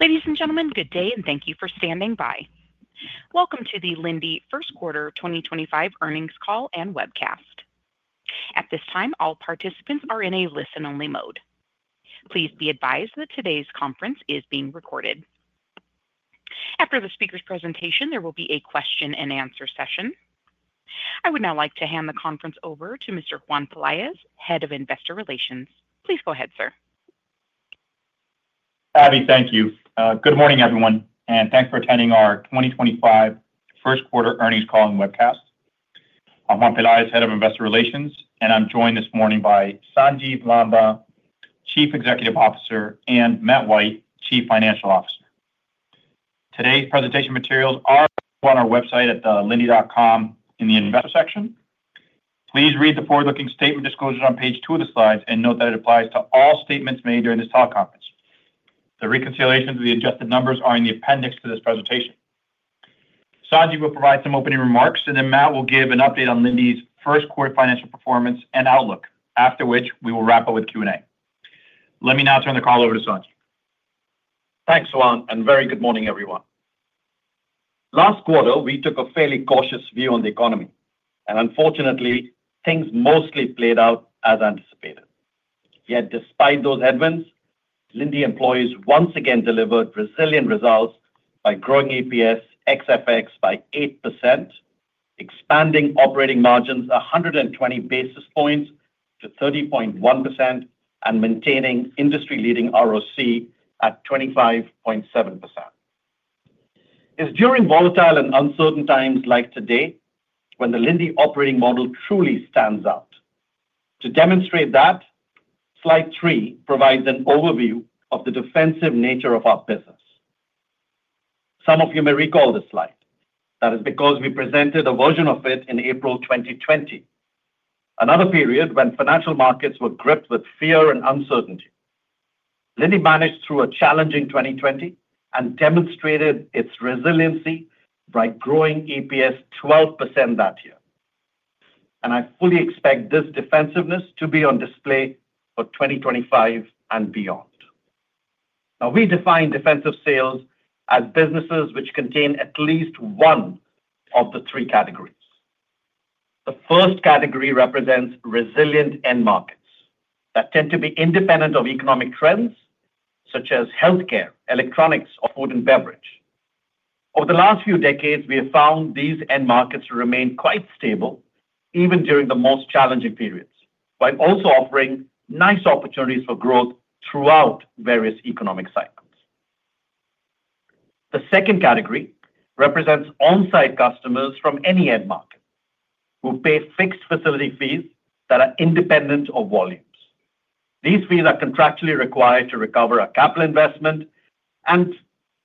Ladies and gentlemen, good day, and thank you for standing by. Welcome to the Linde Quarter 2025 earnings call and webcast. At this time, all participants are in a listen-only mode. Please be advised that today's conference is being recorded. After the speaker's presentation, there will be a question-and-answer session. I would now like to hand the conference over to Mr. Juan Peláez, Head of Investor Relations. Please go ahead, sir. Abby, thank you. Good morning, everyone, and thanks for attending our 2025 quarter earnings call and webcast. I'm Juan Peláez, Head of Investor Relations, and I'm joined this morning by Sanjiv Lamba, Chief Executive Officer, and Matt White, Chief Financial Officer. Today's presentation materials are on our website at linde.com in the Investor section. Please read the forward-looking statement disclosure on page two of the slides and note that it applies to all statements made during this teleconference. The reconciliations of the adjusted numbers are in the appendix to this presentation. Sanjiv will provide some opening remarks, and then Matt will give an update on Linde's first quarter financial performance and outlook, after which we will wrap up with Q&A. Let me now turn the call over to Sanjiv. Thanks, Juan, and very good morning, everyone. Last quarter, we took a fairly cautious view on the economy, and unfortunately, things mostly played out as anticipated. Yet, despite those headwinds, Linde employees once again delivered resilient results by growing EPS ex-FX by 8%, expanding operating margins 120 basis points to 30.1%, and maintaining industry-leading ROC at 25.7%. It is during volatile and uncertain times like today when the Linde operating model truly stands out. To demonstrate that, slide three provides an overview of the defensive nature of our business. Some of you may recall this slide. That is because we presented a version of it in April 2020, another period when financial markets were gripped with fear and uncertainty. Linde managed through a challenging 2020 and demonstrated its resiliency by growing EPS 12% that year. I fully expect this defensiveness to be on display for 2025 and beyond. Now, we define defensive sales as businesses which contain at least one of the three categories. The first category represents resilient end markets that tend to be independent of economic trends, such as healthcare, electronics, or food and beverage. Over the last few decades, we have found these end markets remain quite stable even during the most challenging periods, while also offering nice opportunities for growth throughout various economic cycles. The second category represents onsite customers from any end market who pay fixed facility fees that are independent of volumes. These fees are contractually required to recover a capital investment and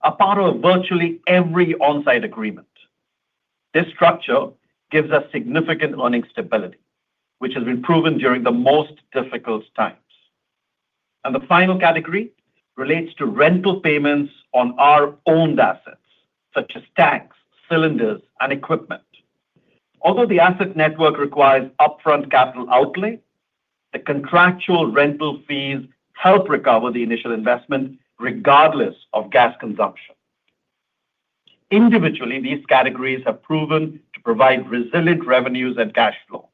are part of virtually every onsite agreement. This structure gives us significant earnings stability, which has been proven during the most difficult times. The final category relates to rental payments on our owned assets, such as tanks, cylinders, and equipment. Although the asset network requires upfront capital outlay, the contractual rental fees help recover the initial investment regardless of gas consumption. Individually, these categories have proven to provide resilient revenues and cash flow,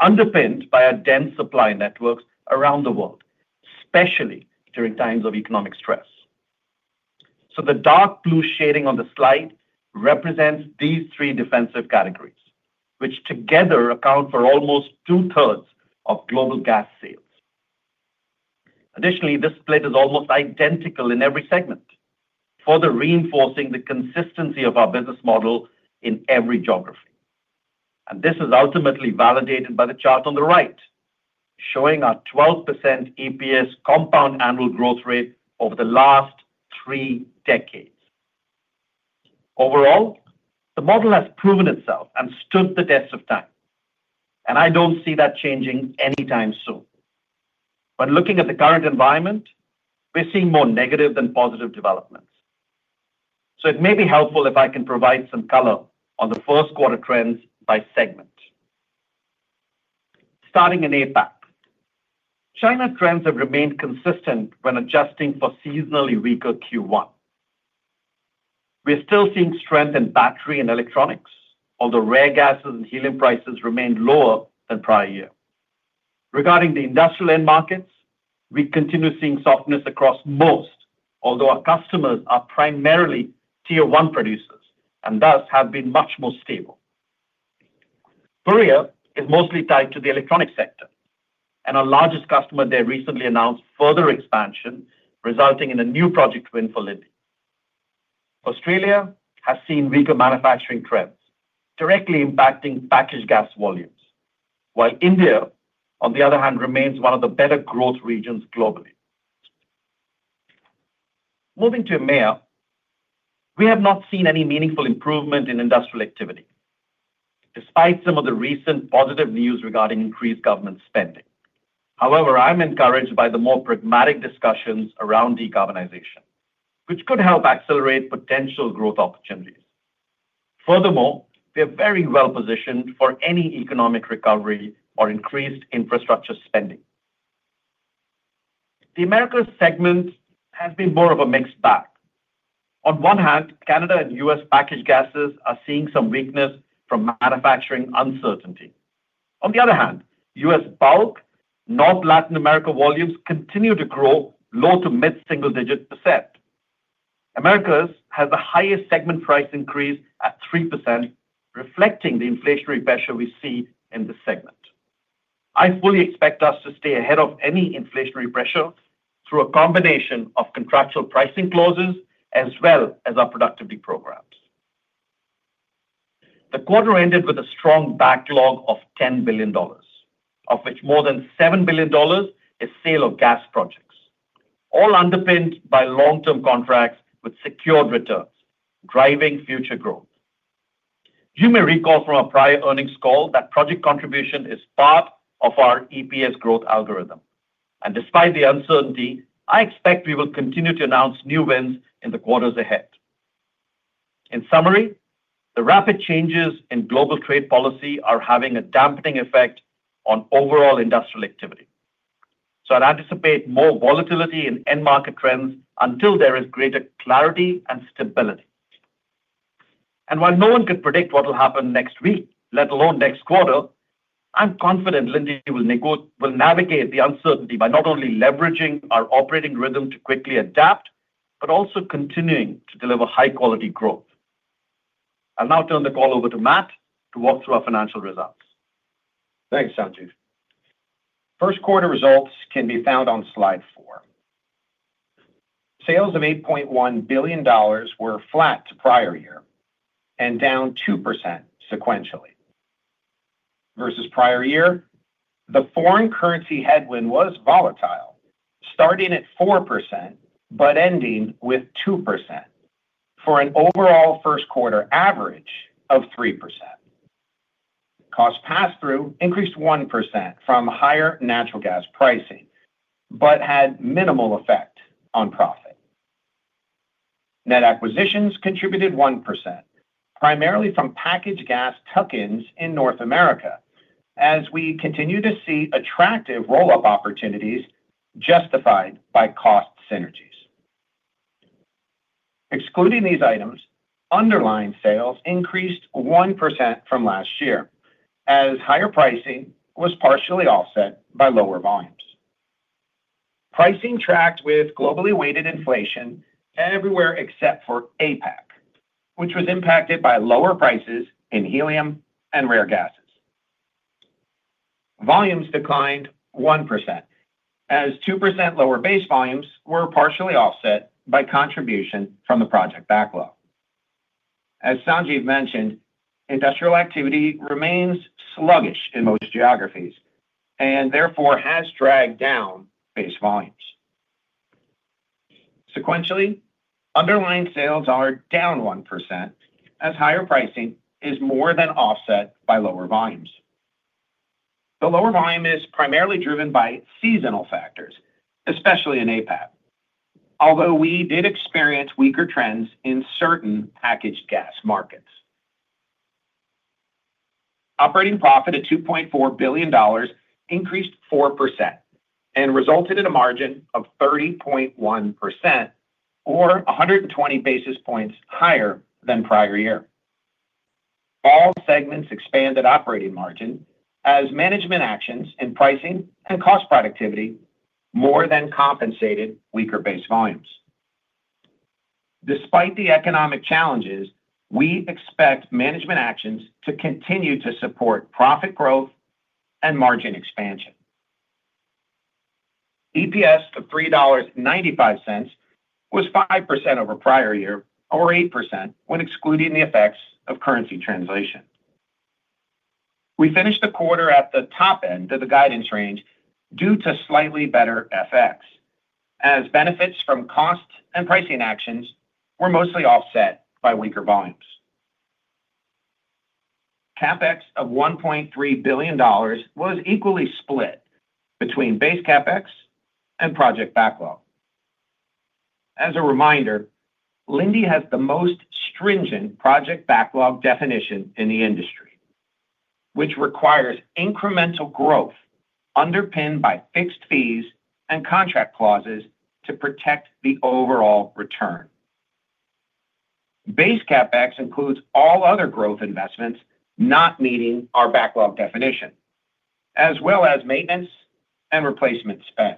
underpinned by our dense supply networks around the world, especially during times of economic stress. The dark blue shading on the slide represents these three defensive categories, which together account for almost two-thirds of global gas sales. Additionally, this split is almost identical in every segment, further reinforcing the consistency of our business model in every geography. This is ultimately validated by the chart on the right, showing our 12% EPS compound annual growth rate over the last three decades. Overall, the model has proven itself and stood the test of time, and I do not see that changing anytime soon. When looking at the current environment, we are seeing more negative than positive developments. It may be helpful if I can provide some color on the first quarter trends by segment. Starting in APAC, China trends have remained consistent when adjusting for seasonally weaker Q1. We're still seeing strength in battery and electronics, although rare gases and helium prices remained lower than prior year. Regarding the industrial end markets, we continue seeing softness across most, although our customers are primarily Tier 1 producers and thus have been much more stable. Korea is mostly tied to the electronics sector, and our largest customer there recently announced further expansion, resulting in a new project win for Linde. Australia has seen weaker manufacturing trends directly impacting packaged gas volumes, while India, on the other hand, remains one of the better growth regions globally. Moving to EMEA, we have not seen any meaningful improvement in industrial activity, despite some of the recent positive news regarding increased government spending. However, I'm encouraged by the more pragmatic discussions around decarbonization, which could help accelerate potential growth opportunities. Furthermore, we are very well positioned for any economic recovery or increased infrastructure spending. The Americas segment has been more of a mixed bag. On one hand, Canada and U.S. packaged gases are seeing some weakness from manufacturing uncertainty. On the other hand, U.S. bulk North Latin America volumes continue to grow low to mid-single digit percent. Americas has the highest segment price increase at 3%, reflecting the inflationary pressure we see in this segment. I fully expect us to stay ahead of any inflationary pressure through a combination of contractual pricing clauses as well as our productivity programs. The quarter ended with a strong backlog of $10 billion, of which more than $7 billion is sale of gas projects, all underpinned by long-term contracts with secured returns driving future growth. You may recall from our prior earnings call that project contribution is part of our EPS growth algorithm. Despite the uncertainty, I expect we will continue to announce new wins in the quarters ahead. In summary, the rapid changes in global trade policy are having a dampening effect on overall industrial activity. I anticipate more volatility in end market trends until there is greater clarity and stability. While no one could predict what will happen next week, let alone next quarter, I'm confident Linde will navigate the uncertainty by not only leveraging our operating rhythm to quickly adapt, but also continuing to deliver high quality growth. I'll now turn the call over to Matt to walk through our financial results. Thanks, Sanjiv. First quarter results can be found on slide four. Sales of $8.1 billion were flat to prior year and down 2% sequentially versus prior year. The foreign currency headwind was volatile, starting at 4% but ending with 2% for an overall first quarter average of 3%. Cost pass through increased 1% from higher natural gas pricing but had minimal effect on profit. Net acquisitions contributed 1%, primarily from packaged gas tuck ins in North America, as we continue to see attractive roll up opportunities justified by cost synergies. Excluding these items, underlying sales increased 1% from last year as higher pricing was partially offset by lower volumes. Pricing tracked with globally weighted inflation everywhere except for APAC, which was impacted by lower prices in helium and rare gases. Volumes declined 1% as 2% lower base volumes were partially offset by contribution from the project backlog. As Sanjiv mentioned, industrial activity remains sluggish in most geographies and therefore has dragged down base volumes. Sequentially, underlying sales are down 1% as higher pricing is more than offset by lower volumes. The lower volume is primarily driven by seasonal factors, especially in APAC, although we did experience weaker trends in certain packaged gas markets. Operating profit at $2.4 billion increased 4% and resulted in a margin of 30.1% or 120 basis points higher than prior year. All segments expanded operating margin as management actions in pricing and cost productivity more than compensated weaker base volumes. Despite the economic challenges, we expect management actions to continue to support profit growth and margin expansion. EPS of $3.95 was 5% over prior year or 8% when excluding the effects of currency translation. We finished the quarter at the top end of the guidance range due to slightly better FX, as benefits from cost and pricing actions were mostly offset by weaker volumes. Capex of $1.3 billion was equally split between Base Capex and project backlog. As a reminder, Linde has the most stringent project backlog definition in the industry, which requires incremental growth underpinned by fixed fees and contract clauses to protect the overall return. Base Capex includes all other growth investments not meeting our backlog definition, as well as maintenance and replacement spend.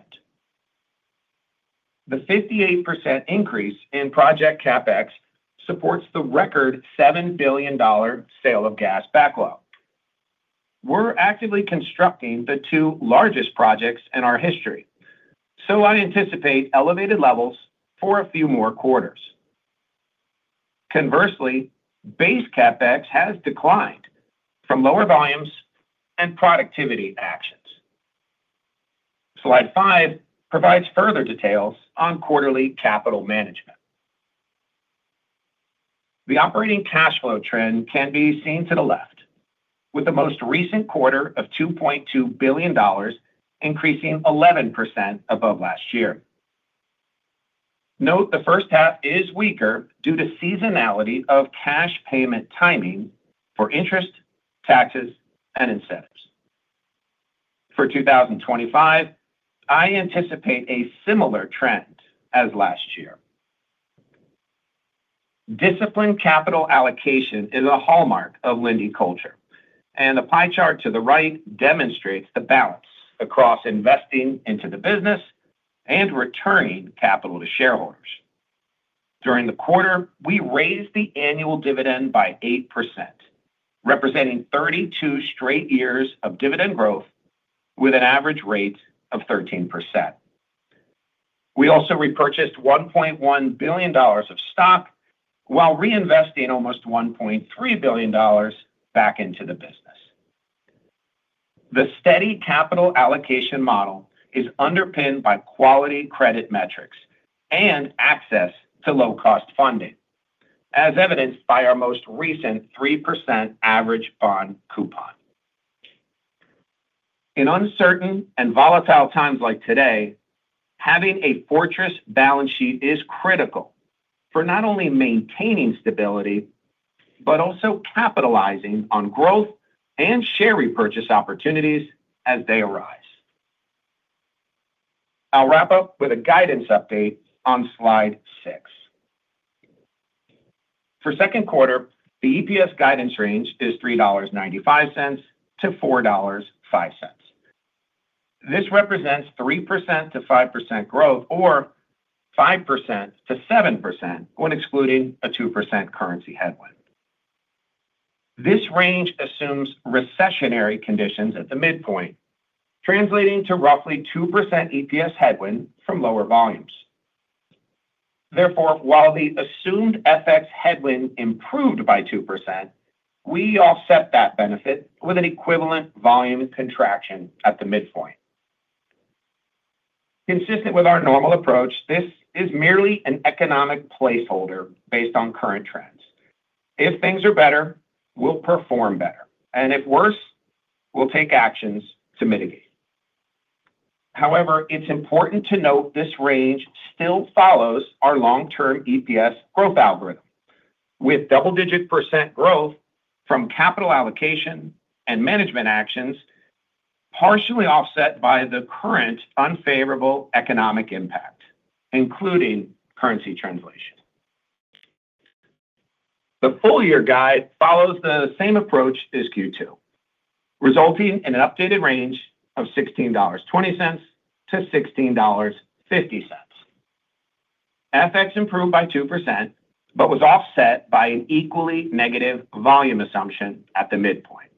The 58% increase in Project Capex supports the record $7 billion sale of gas backlog. We are actively constructing the two largest projects in our history, so I anticipate elevated levels for a few more quarters. Conversely, Base Capex has declined from lower volumes and productivity actions. Slide five provides further details on quarterly capital management. The operating cash flow trend can be seen to the left, with the most recent quarter of $2.2 billion increasing 11% above last year. Note the first half is weaker due to seasonality of cash payment timing for interest, taxes, and incentives. For 2025, I anticipate a similar trend as last year. Disciplined capital allocation is a hallmark of Linde culture, and the pie chart to the right demonstrates the balance across investing into the business and returning capital to shareholders. During the quarter, we raised the annual dividend by 8%, representing 32 straight years of dividend growth with an average rate of 13%. We also repurchased $1.1 billion of stock while reinvesting almost $1.3 billion back into the business. The steady capital allocation model is underpinned by quality credit metrics and access to low-cost funding, as evidenced by our most recent 3% average bond coupon. In uncertain and volatile times like today, having a fortress balance sheet is critical for not only maintaining stability but also capitalizing on growth and share repurchase opportunities as they arise. I'll wrap up with a guidance update on slide six. For second quarter, the EPS guidance range is $3.95-$4.05. This represents 3%-5% growth or 5%-7% when excluding a 2% currency headwind. This range assumes recessionary conditions at the midpoint, translating to roughly 2% EPS headwind from lower volumes. Therefore, while the assumed FX headwind improved by 2%, we offset that benefit with an equivalent volume contraction at the midpoint. Consistent with our normal approach, this is merely an economic placeholder based on current trends. If things are better, we'll perform better, and if worse, we'll take actions to mitigate. However, it's important to note this range still follows our long-term EPS growth algorithm, with double-digit percent growth from capital allocation and management actions partially offset by the current unfavorable economic impact, including currency translation. The full year guide follows the same approach as Q2, resulting in an updated range of $16.20-$16.50. FX improved by 2% but was offset by an equally negative volume assumption at the midpoint.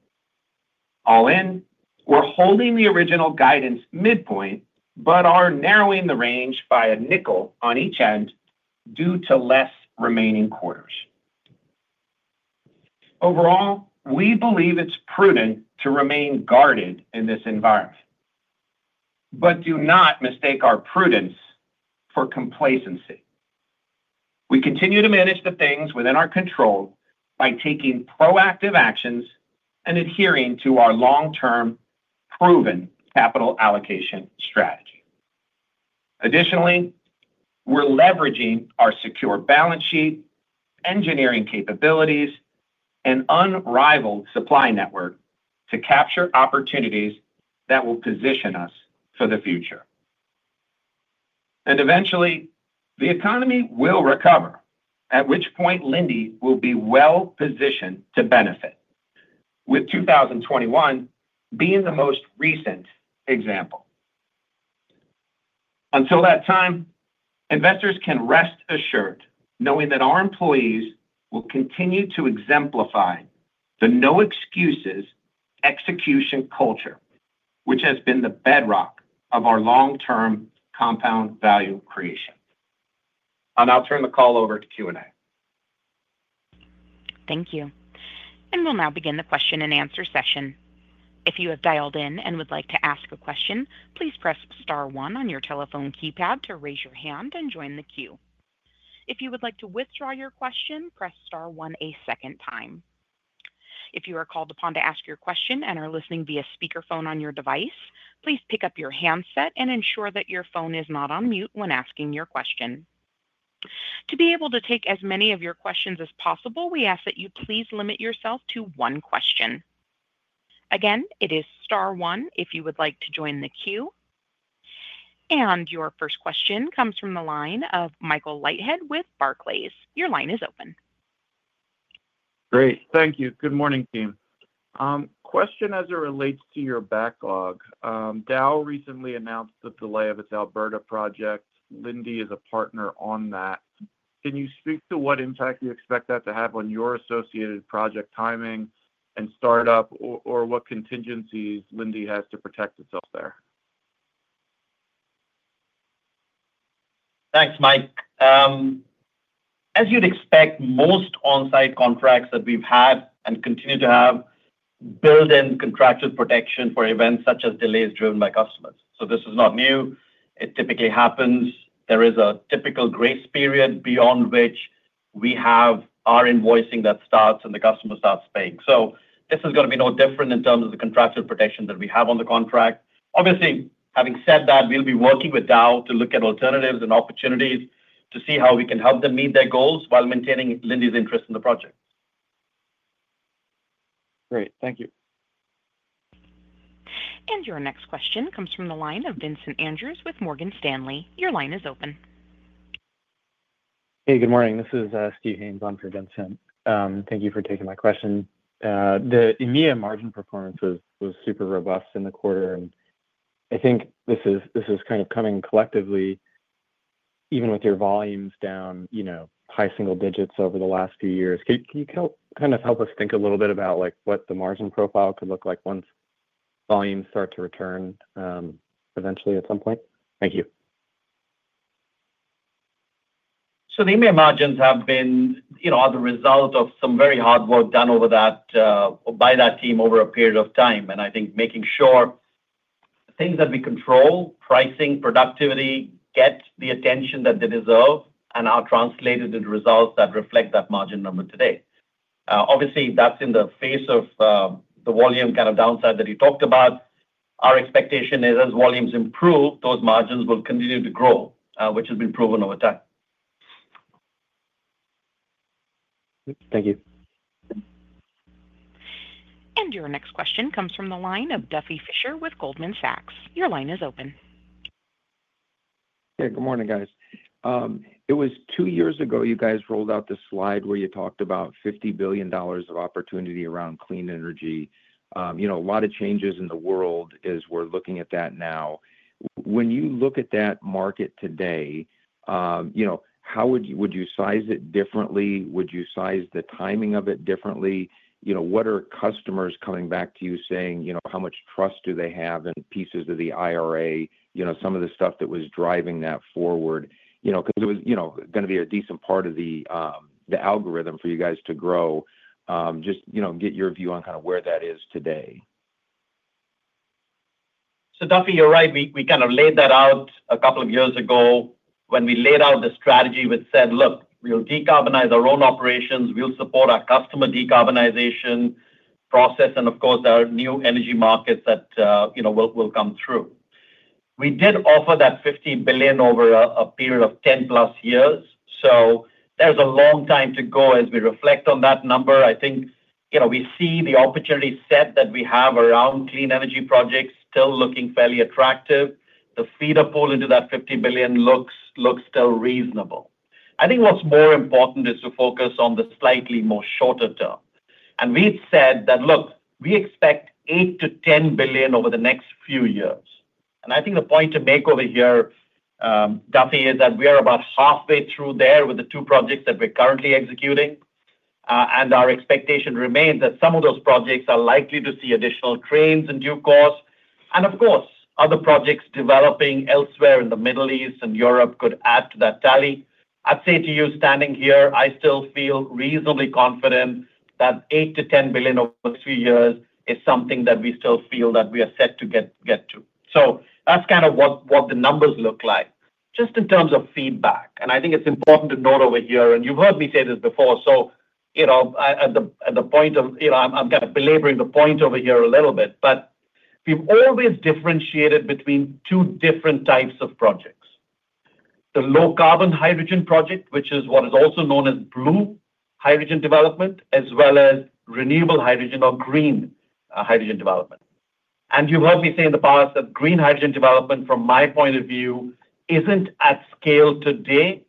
All in, we're holding the original guidance midpoint but are narrowing the range by a nickel on each end due to less remaining quarters. Overall, we believe it's prudent to remain guarded in this environment, but do not mistake our prudence for complacency. We continue to manage the things within our control by taking proactive actions and adhering to our long-term proven capital allocation strategy. Additionally, we're leveraging our secure balance sheet, engineering capabilities, and unrivaled supply network to capture opportunities that will position us for the future. Eventually, the economy will recover, at which point Linde will be well positioned to benefit, with 2021 being the most recent example. Until that time, investors can rest assured knowing that our employees will continue to exemplify the no-excuses execution culture, which has been the bedrock of our long-term compound value creation. I'll turn the call over to Q&A. Thank you. We will now begin the question and answer session. If you have dialed in and would like to ask a question, please press star one on your telephone keypad to raise your hand and join the queue. If you would like to withdraw your question, press star one a second time. If you are called upon to ask your question and are listening via speakerphone on your device, please pick up your handset and ensure that your phone is not on mute when asking your question. To be able to take as many of your questions as possible, we ask that you please limit yourself to one question. Again, it is star one if you would like to join the queue. Your first question comes from the line of Michael Whitehead with Barclays. Your line is open. Great. Thank you. Good morning, team. Question as it relates to your backlog. Dow recently announced the delay of its Alberta project. Linde is a partner on that. Can you speak to what impact you expect that to have on your associated project timing and startup, or what contingencies Linde has to protect itself there? Thanks, Mike. As you'd expect, most on-site contracts that we've had and continue to have build-in contractual protection for events such as delays driven by customers. This is not new. It typically happens. There is a typical grace period beyond which we have our invoicing that starts and the customer starts paying. This is going to be no different in terms of the contractual protection that we have on the contract. Obviously, having said that, we'll be working with Dow to look at alternatives and opportunities to see how we can help them meet their goals while maintaining Linde's interest in the project. Great. Thank you. Your next question comes from the line of Vincent Andrews with Morgan Stanley. Your line is open. Hey, good morning. This is Steve Hanesbohm for Vincent. Thank you for taking my question. The EMEA margin performance was super robust in the quarter. I think this is kind of coming collectively, even with your volumes down high single digits over the last few years. Can you kind of help us think a little bit about what the margin profile could look like once volumes start to return eventually at some point? Thank you. The EMEA margins have been the result of some very hard work done by that team over a period of time. I think making sure things that we control, pricing, productivity, get the attention that they deserve, and are translated into results that reflect that margin number today. Obviously, that's in the face of the volume kind of downside that you talked about. Our expectation is, as volumes improve, those margins will continue to grow, which has been proven over time. Thank you. Your next question comes from the line of Duffy Fischer with Goldman Sachs. Your line is open. Hey, good morning, guys. It was two years ago you guys rolled out this slide where you talked about $50 billion of opportunity around clean energy. A lot of changes in the world as we're looking at that now. When you look at that market today, how would you size it differently? Would you size the timing of it differently? What are customers coming back to you saying? How much trust do they have in pieces of the IRA, some of the stuff that was driving that forward? Because it was going to be a decent part of the algorithm for you guys to grow. Just get your view on kind of where that is today. Duffy, you're right. We kind of laid that out a couple of years ago when we laid out the strategy with, said, Look, we'll decarbonize our own operations. We'll support our customer decarbonization process. Of course, there are new energy markets that will come through. We did offer that $50 billion over a period of 10 plus years. There is a long time to go as we reflect on that number. I think we see the opportunity set that we have around clean energy projects still looking fairly attractive. The feeder pool into that $50 billion looks still reasonable. I think what's more important is to focus on the slightly more shorter term. We have said that, "Look, we expect $8 billion-$10 billion over the next few years." I think the point to make over here, Duffy, is that we are about halfway through there with the two projects that we are currently executing. Our expectation remains that some of those projects are likely to see additional trains in due course. Of course, other projects developing elsewhere in the Middle East and Europe could add to that tally. I would say to you, standing here, I still feel reasonably confident that $8 billion-$10 billion over the next few years is something that we still feel that we are set to get to. That is kind of what the numbers look like, just in terms of feedback. I think it's important to note over here, and you've heard me say this before, at the point of I'm kind of belaboring the point over here a little bit, but we've always differentiated between two different types of projects: The Low-Carbon Hydrogen Project, which is what is also known as Blue Hydrogen Development, as well as Renewable Hydrogen or Green Hydrogen Development. You've heard me say in the past that Green Hydrogen Development, from my point of view, isn't at scale today,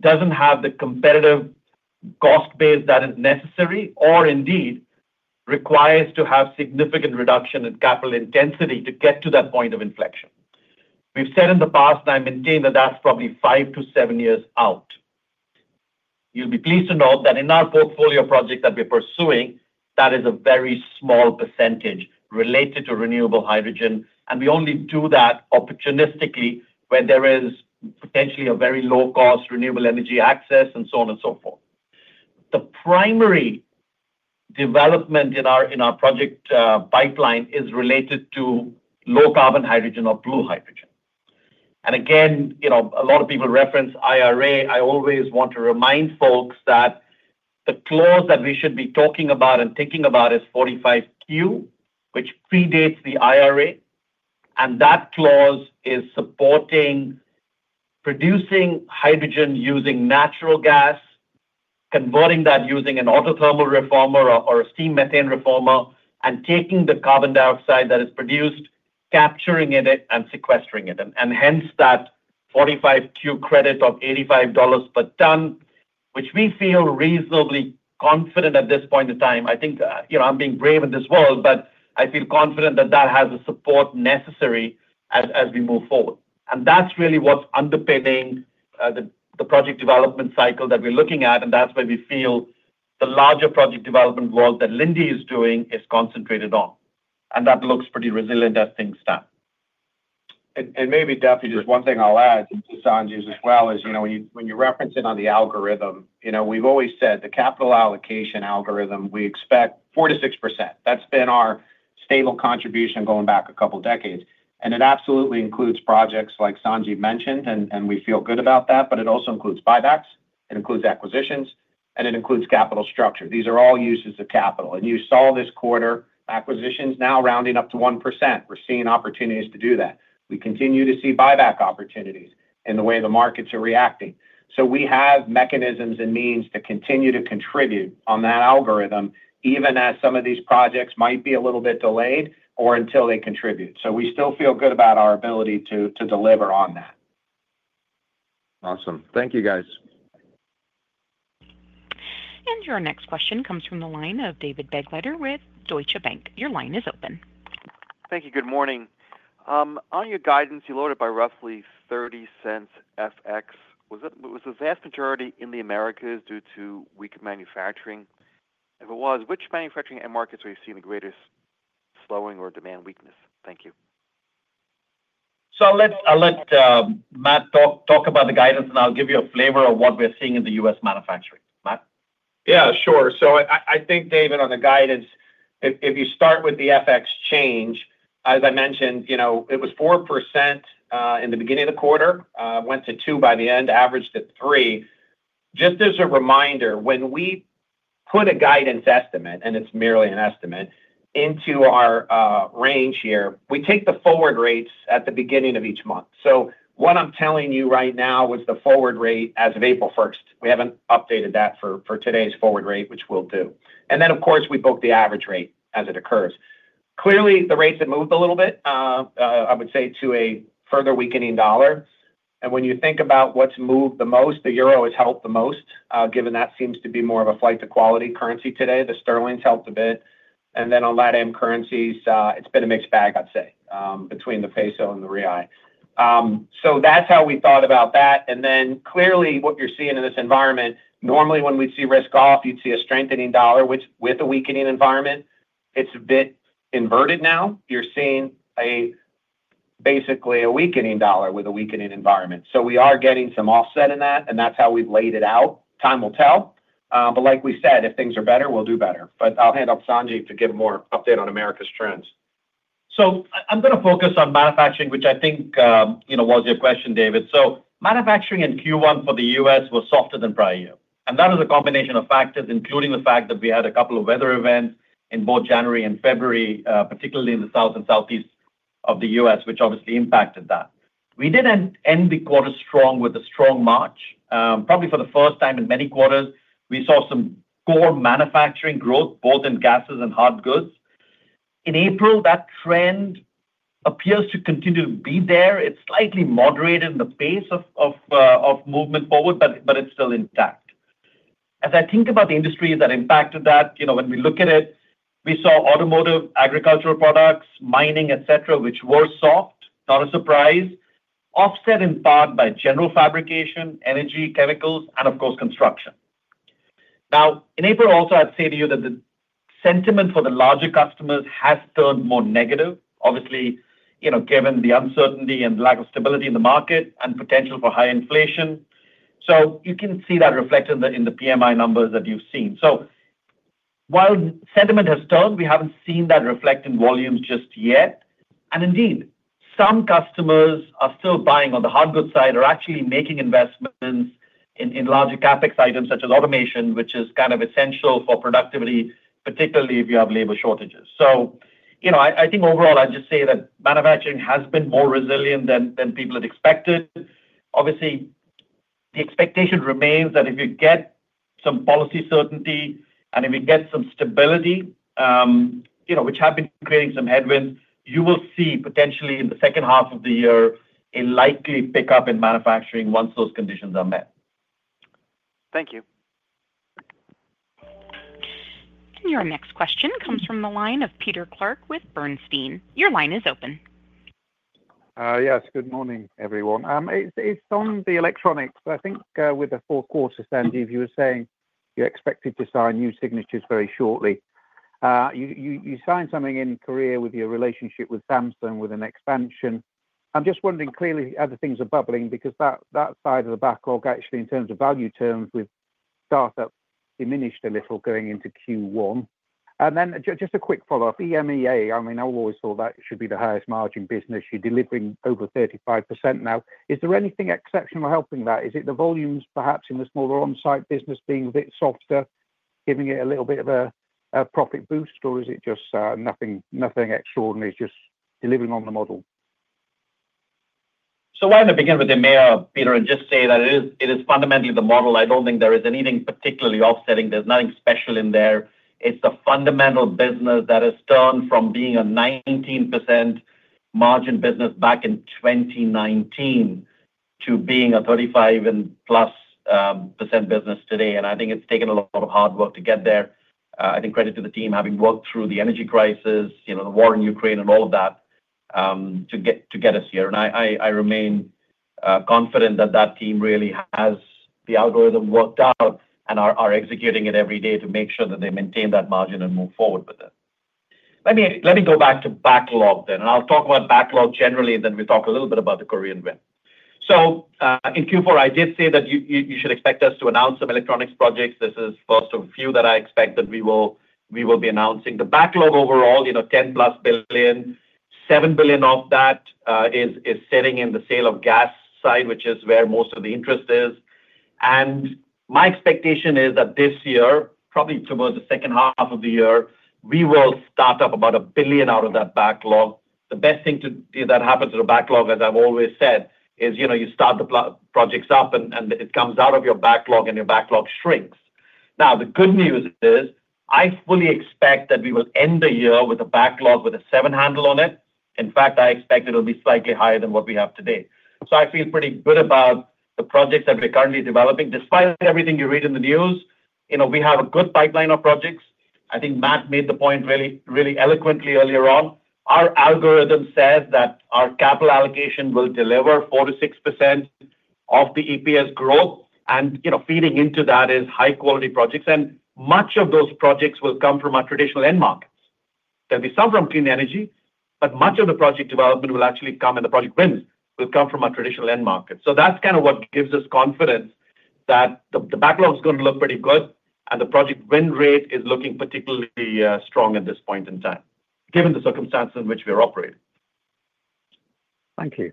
doesn't have the competitive cost base that is necessary, or indeed requires to have significant reduction in capital intensity to get to that point of inflection. We've said in the past, and I maintain that that's probably five to seven years out. You'll be pleased to know that in our portfolio project that we're pursuing, that is a very small percentage related to renewable hydrogen. We only do that opportunistically when there is potentially a very low-cost renewable energy access and so on and so forth. The primary development in our project pipeline is related to low-carbon hydrogen or blue hydrogen. A lot of people reference IRA. I always want to remind folks that the clause that we should be talking about and thinking about is 45Q, which predates the IRA. That clause is supporting producing hydrogen using natural gas, converting that using an autothermal reformer or a steam methane reformer, and taking the carbon dioxide that is produced, capturing it, and sequestering it. Hence that 45Q credit of $85 per ton, which we feel reasonably confident at this point in time. I think I'm being brave in this world, but I feel confident that that has the support necessary as we move forward. That's really what's underpinning the project development cycle that we're looking at. That's where we feel the larger project development work that Linde is doing is concentrated on. That looks pretty resilient as things stand. Maybe, Duffy, just one thing I'll add to Sanjiv's as well is when you reference it on the algorithm, we've always said the capital allocation algorithm, we expect 4%-6%. That's been our stable contribution going back a couple of decades. It absolutely includes projects like Sanjiv mentioned, and we feel good about that. It also includes buybacks. It includes acquisitions, and it includes capital structure. These are all uses of capital. You saw this quarter acquisitions now rounding up to 1%. are seeing opportunities to do that. We continue to see buyback opportunities in the way the markets are reacting. We have mechanisms and means to continue to contribute on that algorithm, even as some of these projects might be a little bit delayed or until they contribute. We still feel good about our ability to deliver on that. Awesome. Thank you, guys. Your next question comes from the line of David Begleiter with Deutsche Bank. Your line is open. Thank you. Good morning. On your guidance, you lowered it by roughly $0.30 FX. Was the vast majority in the Americas due to weak manufacturing? If it was, which manufacturing and markets are you seeing the greatest slowing or demand weakness? Thank you. I'll let Matt talk about the guidance, and I'll give you a flavor of what we're seeing in the U.S. manufacturing. Matt? Yeah, sure. I think, David, on the guidance, if you start with the FX change, as I mentioned, it was 4% in the beginning of the quarter, went to 2% by the end, averaged at 3%. Just as a reminder, when we put a guidance estimate, and it is merely an estimate, into our range here, we take the forward rates at the beginning of each month. What I am telling you right now was the forward rate as of April 1. We have not updated that for today's forward rate, which we will do. Of course, we book the average rate as it occurs. Clearly, the rates have moved a little bit, I would say, to a further weakening dollar. When you think about what has moved the most, the euro has helped the most, given that seems to be more of a flight to quality currency today. The sterling's helped a bit. On LatAm currencies, it's been a mixed bag, I'd say, between the peso and the real. That's how we thought about that. Clearly, what you're seeing in this environment, normally when we'd see risk-off, you'd see a strengthening dollar, which with a weakening environment, it's a bit inverted now. You're seeing basically a weakening dollar with a weakening environment. We are getting some offset in that, and that's how we've laid it out. Time will tell. Like we said, if things are better, we'll do better. I'll hand it off to Sanjiv to give more update on America's trends. I'm going to focus on manufacturing, which I think was your question, David. Manufacturing in Q1 for the U.S. was softer than prior year. That was a combination of factors, including the fact that we had a couple of weather events in both January and February, particularly in the South and Southeast of the U.S., which obviously impacted that. We did not end the quarter strong with a strong March. Probably for the first time in many quarters, we saw some core manufacturing growth, both in gases and hard goods. In April, that trend appears to continue to be there. It has slightly moderated in the pace of movement forward, but it is still intact. As I think about the industries that impacted that, when we look at it, we saw automotive, agricultural products, mining, etc., which were soft, not a surprise, offset in part by general fabrication, energy, chemicals, and of course, construction. In April also, I'd say to you that the sentiment for the larger customers has turned more negative, obviously, given the uncertainty and lack of stability in the market and potential for high inflation. You can see that reflected in the PMI numbers that you've seen. While sentiment has turned, we haven't seen that reflect in volumes just yet. Indeed, some customers are still buying on the hard goods side, are actually making investments in larger CapEx items such as automation, which is kind of essential for productivity, particularly if you have labor shortages. I think overall, I'd just say that manufacturing has been more resilient than people had expected. Obviously, the expectation remains that if you get some policy certainty and if we get some stability, which have been creating some headwinds, you will see potentially in the second half of the year a likely pickup in manufacturing once those conditions are met. Thank you. Your next question comes from the line of Peter Clark with Bernstein. Your line is open. Yes, good morning, everyone. It's on the electronics. I think with the fourth quarter, Sanjiv, you were saying you're expected to sign new signatures very shortly. You signed something in Korea with your relationship with Samsung with an expansion. I'm just wondering clearly how the things are bubbling because that side of the backlog, actually, in terms of value terms with startup, diminished a little going into Q1. A quick follow up. EMEA, I mean, I've always thought that should be the highest margin business. You're delivering over 35% now. Is there anything exceptional helping that? Is it the volumes, perhaps in the smaller onsite business, being a bit softer, giving it a little bit of a profit boost, or is it just nothing extraordinary, just delivering on the model? Why don't I begin with EMEA, Peter, and just say that it is fundamentally the model. I don't think there is anything particularly offsetting. There is nothing special in there. It is a fundamental business that has turned from being a 19% margin business back in 2019 to being a 35-plus % business today. I think it has taken a lot of hard work to get there. Credit to the team having worked through the energy crisis, the war in Ukraine, and all of that to get us here. I remain confident that that team really has the algorithm worked out and are executing it every day to make sure that they maintain that margin and move forward with it. Let me go back to backlog then. I will talk about backlog generally, and then we will talk a little bit about the Korean win. In Q4, I did say that you should expect us to announce some electronics projects. This is the first of a few that I expect that we will be announcing. The backlog overall, $10 billion-plus, $7 billion of that is sitting in the sale of gas side, which is where most of the interest is. My expectation is that this year, probably towards the second half of the year, we will start up about a billion out of that backlog. The best thing that happens in a backlog, as I've always said, is you start the projects up, and it comes out of your backlog, and your backlog shrinks. The good news is I fully expect that we will end the year with a backlog with a 7 handle on it. In fact, I expect it will be slightly higher than what we have today. I feel pretty good about the projects that we're currently developing. Despite everything you read in the news, we have a good pipeline of projects. I think Matt made the point really eloquently earlier on. Our algorithm says that our capital allocation will deliver 4-6% of the EPS growth. Feeding into that is high-quality projects. Much of those projects will come from our traditional end markets. There will be some from clean energy, but much of the project development will actually come in, the project wins will come from our traditional end market. That is what gives us confidence that the backlog is going to look pretty good, and the project win rate is looking particularly strong at this point in time, given the circumstances in which we are operating. Thank you.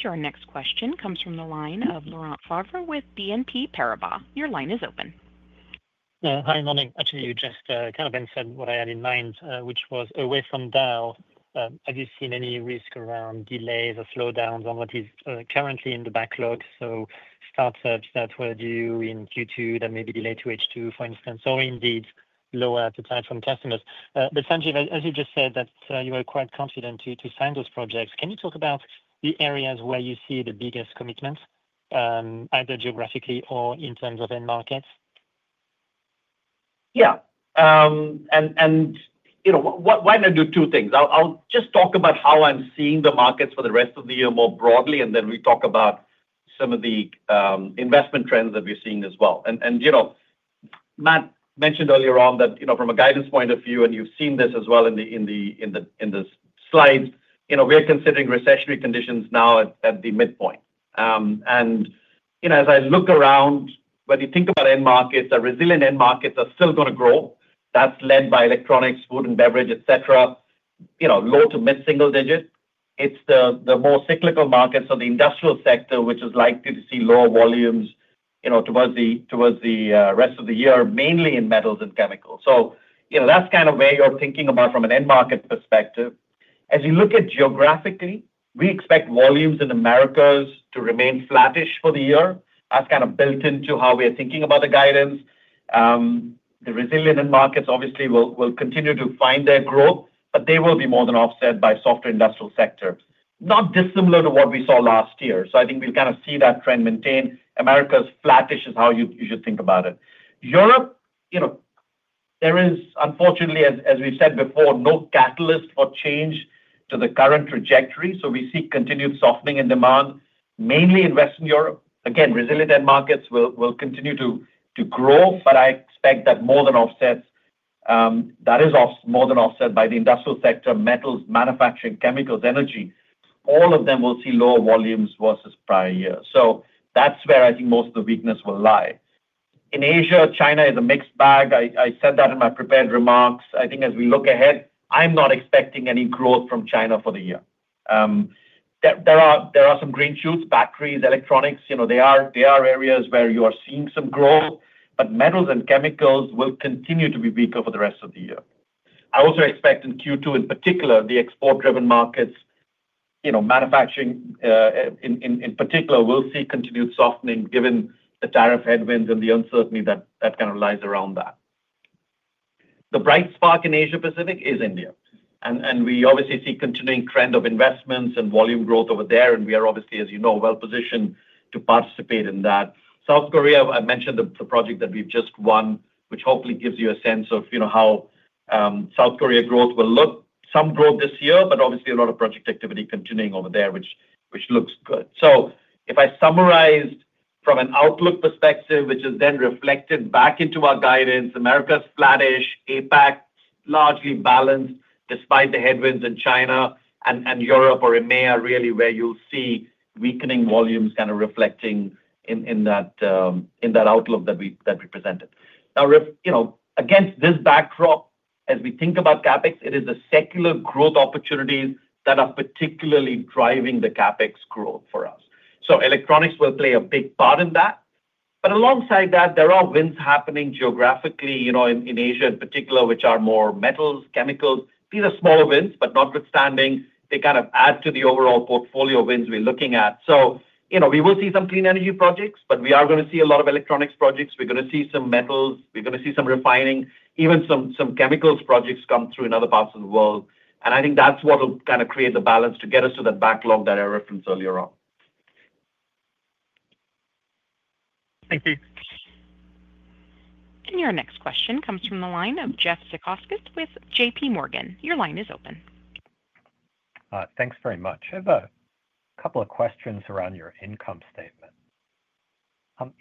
Your next question comes from the line of Laurent Favre with BNP Paribas. Your line is open. Hi, morning. Actually, you just kind of said what I had in mind, which was away from Dow. Have you seen any risk around delays or slowdowns on what is currently in the backlog? Startups that were due in Q2 that may be delayed to H2, for instance, or indeed lower appetite from customers. Sanjiv, as you just said, that you were quite confident to sign those projects. Can you talk about the areas where you see the biggest commitments, either geographically or in terms of end markets? Yeah. Why do not I do two things? I will just talk about how I am seeing the markets for the rest of the year more broadly, and then we talk about some of the investment trends that we are seeing as well. Matt mentioned earlier on that from a guidance point of view, and you have seen this as well in the slides, we are considering recessionary conditions now at the midpoint. As I look around, when you think about end markets, resilient end markets are still going to grow. That is led by electronics, food and beverage, etc., low to mid-single digit. It is the more cyclical markets of the industrial sector, which is likely to see lower volumes towards the rest of the year, mainly in metals and chemicals. That is kind of where you are thinking about from an end market perspective. As you look at geographically, we expect volumes in America to remain flattish for the year. That's kind of built into how we're thinking about the guidance. The resilient end markets, obviously, will continue to find their growth, but they will be more than offset by softer industrial sectors, not dissimilar to what we saw last year. I think we'll kind of see that trend maintained. America's flattish is how you should think about it. Europe, there is, unfortunately, as we've said before, no catalyst for change to the current trajectory. We see continued softening in demand, mainly in Western Europe. Again, resilient end markets will continue to grow, but I expect that is more than offset by the industrial sector, metals, manufacturing, chemicals, energy. All of them will see lower volumes versus prior year. That is where I think most of the weakness will lie. In Asia, China is a mixed bag. I said that in my prepared remarks. I think as we look ahead, I am not expecting any growth from China for the year. There are some green shoots, batteries, electronics. They are areas where you are seeing some growth, but metals and chemicals will continue to be weaker for the rest of the year. I also expect in Q2, in particular, the export-driven markets, manufacturing in particular, will see continued softening given the tariff headwinds and the uncertainty that kind of lies around that. The bright spark in Asia-Pacific is India. We obviously see a continuing trend of investments and volume growth over there. We are obviously, as you know, well-positioned to participate in that. South Korea, I mentioned the project that we've just won, which hopefully gives you a sense of how South Korea growth will look. Some growth this year, but obviously a lot of project activity continuing over there, which looks good. If I summarized from an outlook perspective, which is then reflected back into our guidance, America's flattish, APAC largely balanced despite the headwinds in China and Europe or EMEA, really, where you'll see weakening volumes kind of reflecting in that outlook that we presented. Now, against this backdrop, as we think about CapEx, it is the secular growth opportunities that are particularly driving the CapEx growth for us. Electronics will play a big part in that. Alongside that, there are winds happening geographically in Asia in particular, which are more metals, chemicals. These are smaller wins, but notwithstanding, they kind of add to the overall portfolio wins we're looking at. We will see some clean energy projects, but we are going to see a lot of electronics projects. We're going to see some metals. We're going to see some refining, even some chemicals projects come through in other parts of the world. I think that's what will kind of create the balance to get us to that backlog that I referenced earlier on. Thank you. Your next question comes from the line of Jeff Zekauskas with JP Morgan. Your line is open. Thanks very much. I have a couple of questions around your income statement.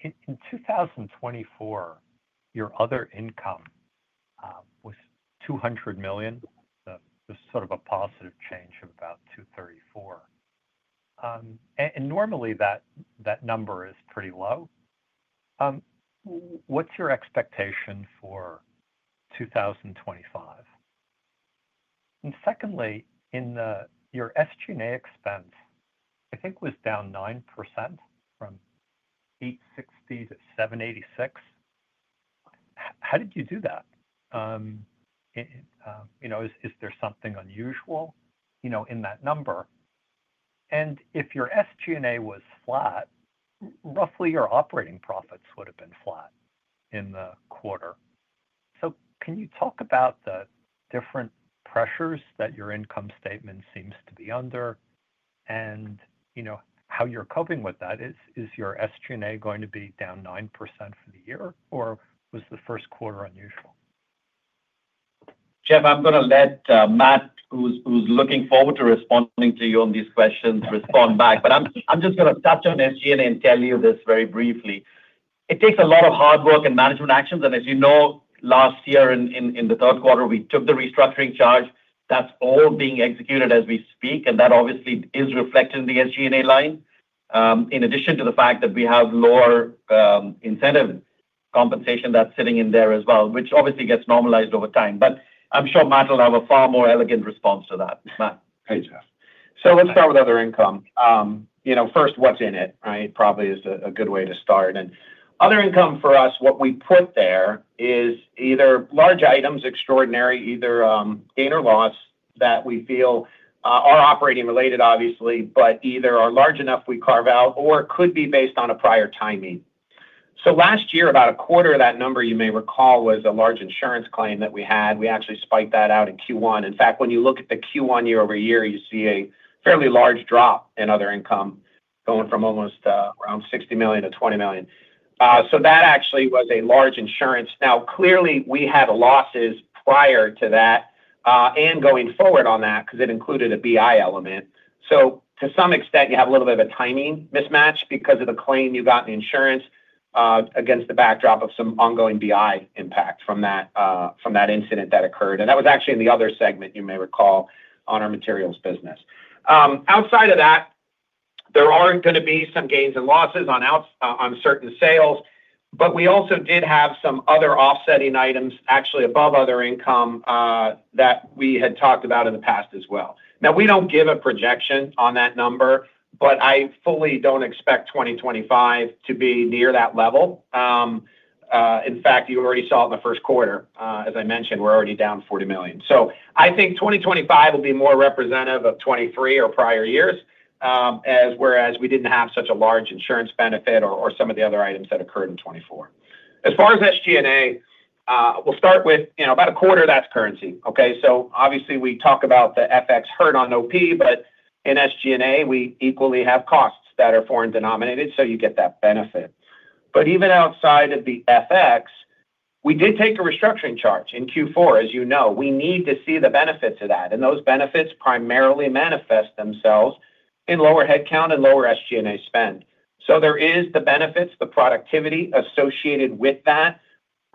In 2024, your other income was $200 million, just sort of a positive change of about $234 million. Normally, that number is pretty low. What's your expectation for 2025? Secondly, your SG&A expense, I think, was down 9% from $860 million to $786 million. How did you do that? Is there something unusual in that number? If your SG&A was flat, roughly your operating profits would have been flat in the quarter. Can you talk about the different pressures that your income statement seems to be under and how you're coping with that? Is your SG&A going to be down 9% for the year, or was the first quarter unusual? Jeff, I'm going to let Matt, who's looking forward to responding to you on these questions, respond back. I am just going to touch on SG&A and tell you this very briefly. It takes a lot of hard work and management actions. As you know, last year in the third quarter, we took the restructuring charge. That is all being executed as we speak. That obviously is reflected in the SG&A line, in addition to the fact that we have lower incentive compensation that is sitting in there as well, which obviously gets normalized over time. I am sure Matt will have a far more elegant response to that. Matt? Hey, Jeff. Let's start with other income. First, what's in it, right, probably is a good way to start. Other income for us, what we put there is either large items, extraordinary, either gain or loss that we feel are operating related, obviously, but either are large enough we carve out or could be based on a prior timing. Last year, about a quarter of that number, you may recall, was a large insurance claim that we had. We actually spiked that out in Q1. In fact, when you look at the Q1 year over year, you see a fairly large drop in other income going from almost around $60 million to $20 million. That actually was a large insurance. Now, clearly, we had losses prior to that and going forward on that because it included a BI element. To some extent, you have a little bit of a timing mismatch because of the claim you got in insurance against the backdrop of some ongoing BI impact from that incident that occurred. That was actually in the other segment, you may recall, on our materials business. Outside of that, there are going to be some gains and losses on certain sales. We also did have some other offsetting items, actually above other income, that we had talked about in the past as well. Now, we do not give a projection on that number, but I fully do not expect 2025 to be near that level. In fact, you already saw it in the first quarter. As I mentioned, we are already down $40 million. I think 2025 will be more representative of 2023 or prior years, whereas we did not have such a large insurance benefit or some of the other items that occurred in 2024. As far as SG&A, we will start with about a quarter, that is currency. Okay? Obviously, we talk about the FX hurt on OP, but in SG&A, we equally have costs that are foreign denominated, so you get that benefit. Even outside of the FX, we did take a restructuring charge in Q4, as you know. We need to see the benefits of that. Those benefits primarily manifest themselves in lower headcount and lower SG&A spend. There are the benefits, the productivity associated with that.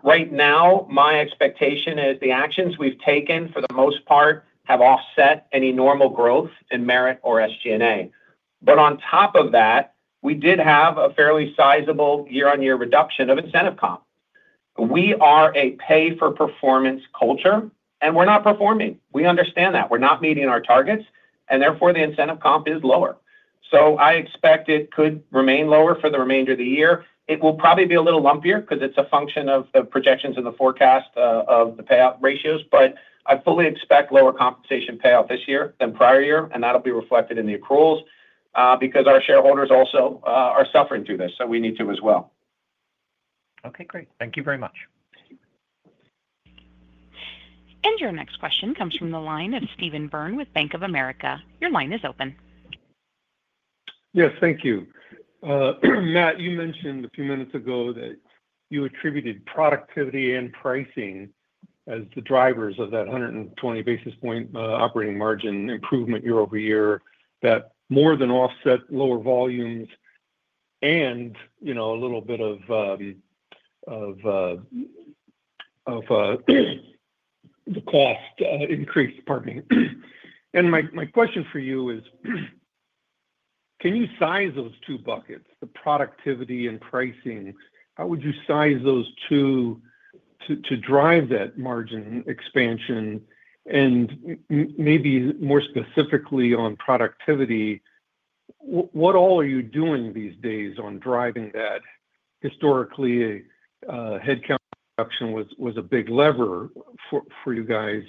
Right now, my expectation is the actions we have taken, for the most part, have offset any normal growth in merit or SG&A. On top of that, we did have a fairly sizable year-on-year reduction of incentive comp. We are a pay-for-performance culture, and we're not performing. We understand that. We're not meeting our targets, and therefore, the incentive comp is lower. I expect it could remain lower for the remainder of the year. It will probably be a little lumpier because it's a function of the projections in the forecast of the payout ratios. I fully expect lower compensation payout this year than prior year, and that'll be reflected in the accruals because our shareholders also are suffering through this, so we need to as well. Okay. Great. Thank you very much. Your next question comes from the line of Steven Byrne with Bank of America. Your line is open. Yes. Thank you. Matt, you mentioned a few minutes ago that you attributed productivity and pricing as the drivers of that 120 basis point operating margin improvement year over year that more than offset lower volumes and a little bit of the cost increase. Pardon me. My question for you is, can you size those two buckets, the productivity and pricing? How would you size those two to drive that margin expansion? Maybe more specifically on productivity, what all are you doing these days on driving that? Historically, headcount reduction was a big lever for you guys.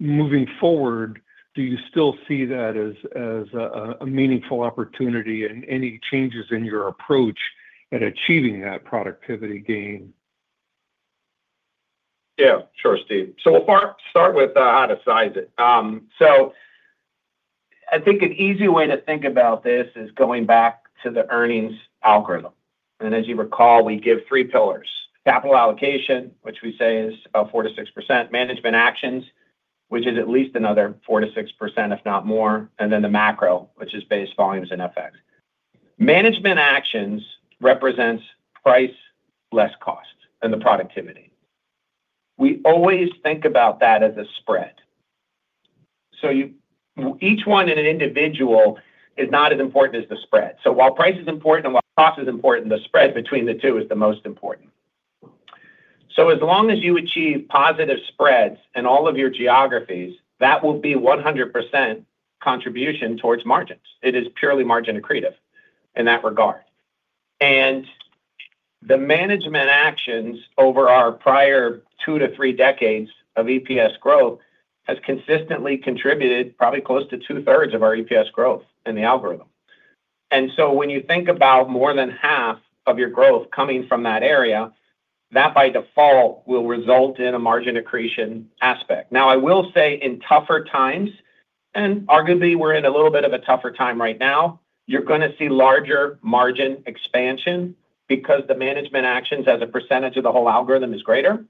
Moving forward, do you still see that as a meaningful opportunity and any changes in your approach at achieving that productivity gain? Yeah. Sure, Steve. We'll start with how to size it. I think an easy way to think about this is going back to the earnings algorithm. As you recall, we give three pillars: capital allocation, which we say is about 4%-6%; management actions, which is at least another 4%-6%, if not more; and then the macro, which is based volumes and FX. Management actions represents price less cost than the productivity. We always think about that as a spread. Each one in an individual is not as important as the spread. While price is important and while cost is important, the spread between the two is the most important. As long as you achieve positive spreads in all of your geographies, that will be 100% contribution towards margins. It is purely margin accretive in that regard. The management actions over our prior two to three decades of EPS growth has consistently contributed probably close to two-thirds of our EPS growth in the algorithm. When you think about more than half of your growth coming from that area, that by default will result in a margin accretion aspect. I will say in tougher times, and arguably we're in a little bit of a tougher time right now, you're going to see larger margin expansion because the management actions as a percentage of the whole algorithm is greater.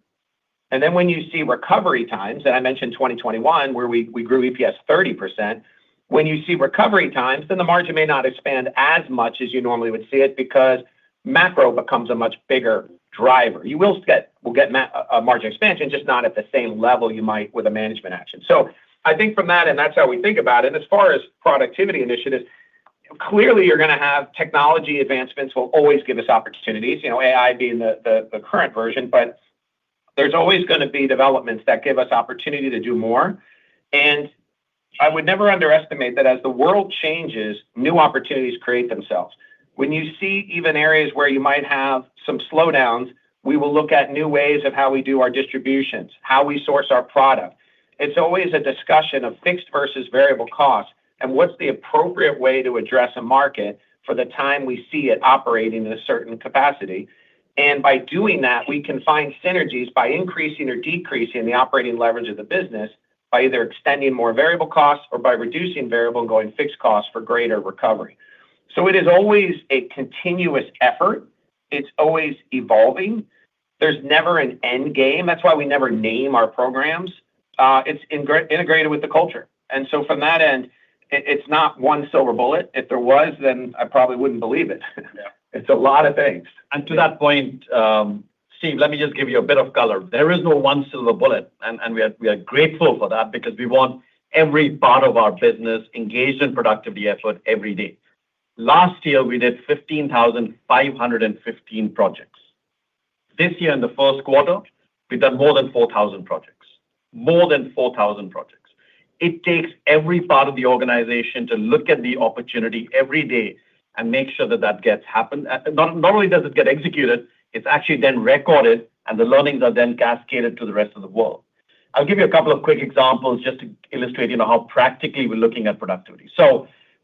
When you see recovery times, and I mentioned 2021 where we grew EPS 30%, when you see recovery times, then the margin may not expand as much as you normally would see it because macro becomes a much bigger driver. You will get margin expansion, just not at the same level you might with a management action. I think from that, and that's how we think about it. As far as productivity initiatives, clearly, you're going to have technology advancements will always give us opportunities, AI being the current version. There are always going to be developments that give us opportunity to do more. I would never underestimate that as the world changes, new opportunities create themselves. When you see even areas where you might have some slowdowns, we will look at new ways of how we do our distributions, how we source our product. It's always a discussion of fixed versus variable costs and what's the appropriate way to address a market for the time we see it operating in a certain capacity. By doing that, we can find synergies by increasing or decreasing the operating leverage of the business by either extending more variable costs or by reducing variable and going fixed costs for greater recovery. It is always a continuous effort. It is always evolving. There is never an end game. That is why we never name our programs. It is integrated with the culture. From that end, it is not one silver bullet. If there was, then I probably would not believe it. It is a lot of things. To that point, Steve, let me just give you a bit of color. There is no one silver bullet. We are grateful for that because we want every part of our business engaged in productivity effort every day. Last year, we did 15,515 projects. This year, in the first quarter, we have done more than 4,000 projects, more than 4,000 projects. It takes every part of the organization to look at the opportunity every day and make sure that that gets happened. Not only does it get executed, it is actually then recorded, and the learnings are then cascaded to the rest of the world. I will give you a couple of quick examples just to illustrate how practically we are looking at productivity.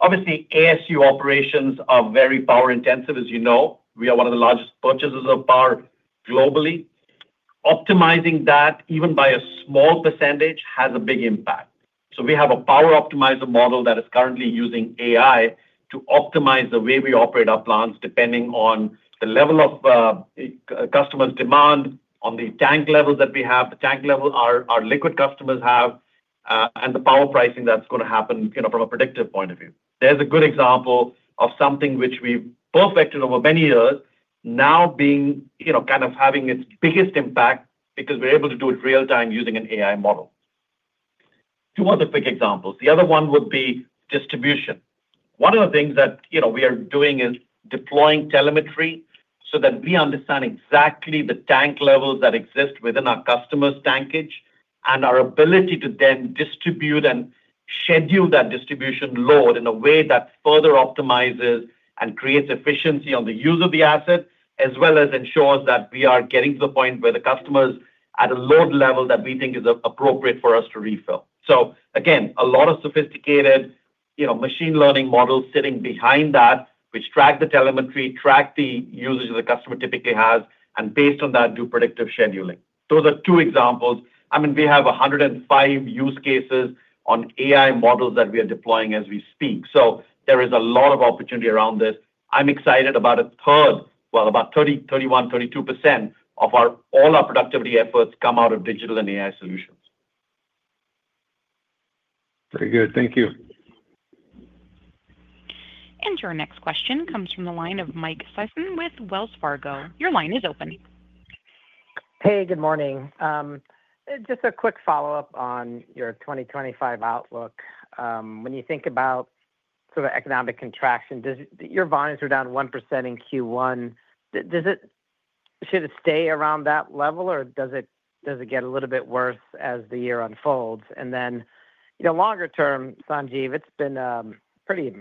Obviously, ASU operations are very power-intensive, as you know. We are one of the largest purchasers of power globally. Optimizing that, even by a small percentage, has a big impact. We have a power optimizer model that is currently using AI to optimize the way we operate our plants depending on the level of customers' demand, on the tank levels that we have, the tank level our liquid customers have, and the power pricing that is going to happen from a predictive point of view. There is a good example of something which we have perfected over many years, now being kind of having its biggest impact because we are able to do it real-time using an AI model. Two other quick examples. The other one would be distribution. One of the things that we are doing is deploying telemetry so that we understand exactly the tank levels that exist within our customer's tankage and our ability to then distribute and schedule that distribution load in a way that further optimizes and creates efficiency on the use of the asset, as well as ensures that we are getting to the point where the customer's at a load level that we think is appropriate for us to refill. Again, a lot of sophisticated machine learning models sitting behind that, which track the telemetry, track the usage the customer typically has, and based on that, do predictive scheduling. Those are two examples. I mean, we have 105 use cases on AI models that we are deploying as we speak. There is a lot of opportunity around this. I'm excited about a third, about 31%-32% of all our productivity efforts come out of digital and AI solutions. Very good. Thank you. Your next question comes from the line of Mike Sison with Wells Fargo. Your line is open. Hey, good morning. Just a quick follow-up on your 2025 outlook. When you think about sort of economic contraction, your volumes were down 1% in Q1. Should it stay around that level, or does it get a little bit worse as the year unfolds? Then longer term, Sanjiv, it's been a pretty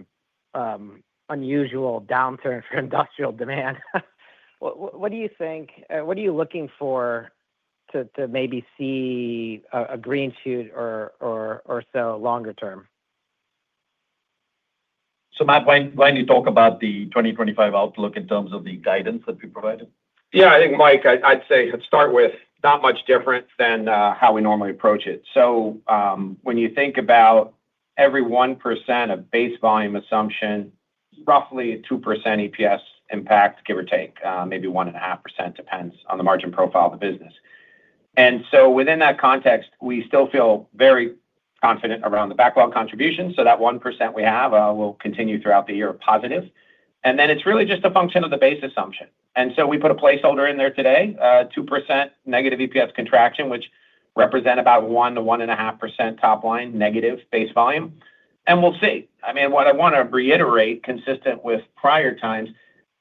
unusual downturn for industrial demand. What do you think? What are you looking for to maybe see a green shoot or so longer term? Matt, why don't you talk about the 2025 outlook in terms of the guidance that we provided? Yeah. I think, Mike, I'd say it starts with not much different than how we normally approach it. When you think about every 1% of base volume assumption, roughly 2% EPS impact, give or take, maybe 1.5%, depends on the margin profile of the business. Within that context, we still feel very confident around the backlog contribution. That 1% we have will continue throughout the year positive. It is really just a function of the base assumption. We put a placeholder in there today, 2% negative EPS contraction, which represents about 1%-1.5% top line negative base volume. We'll see. I mean, what I want to reiterate, consistent with prior times,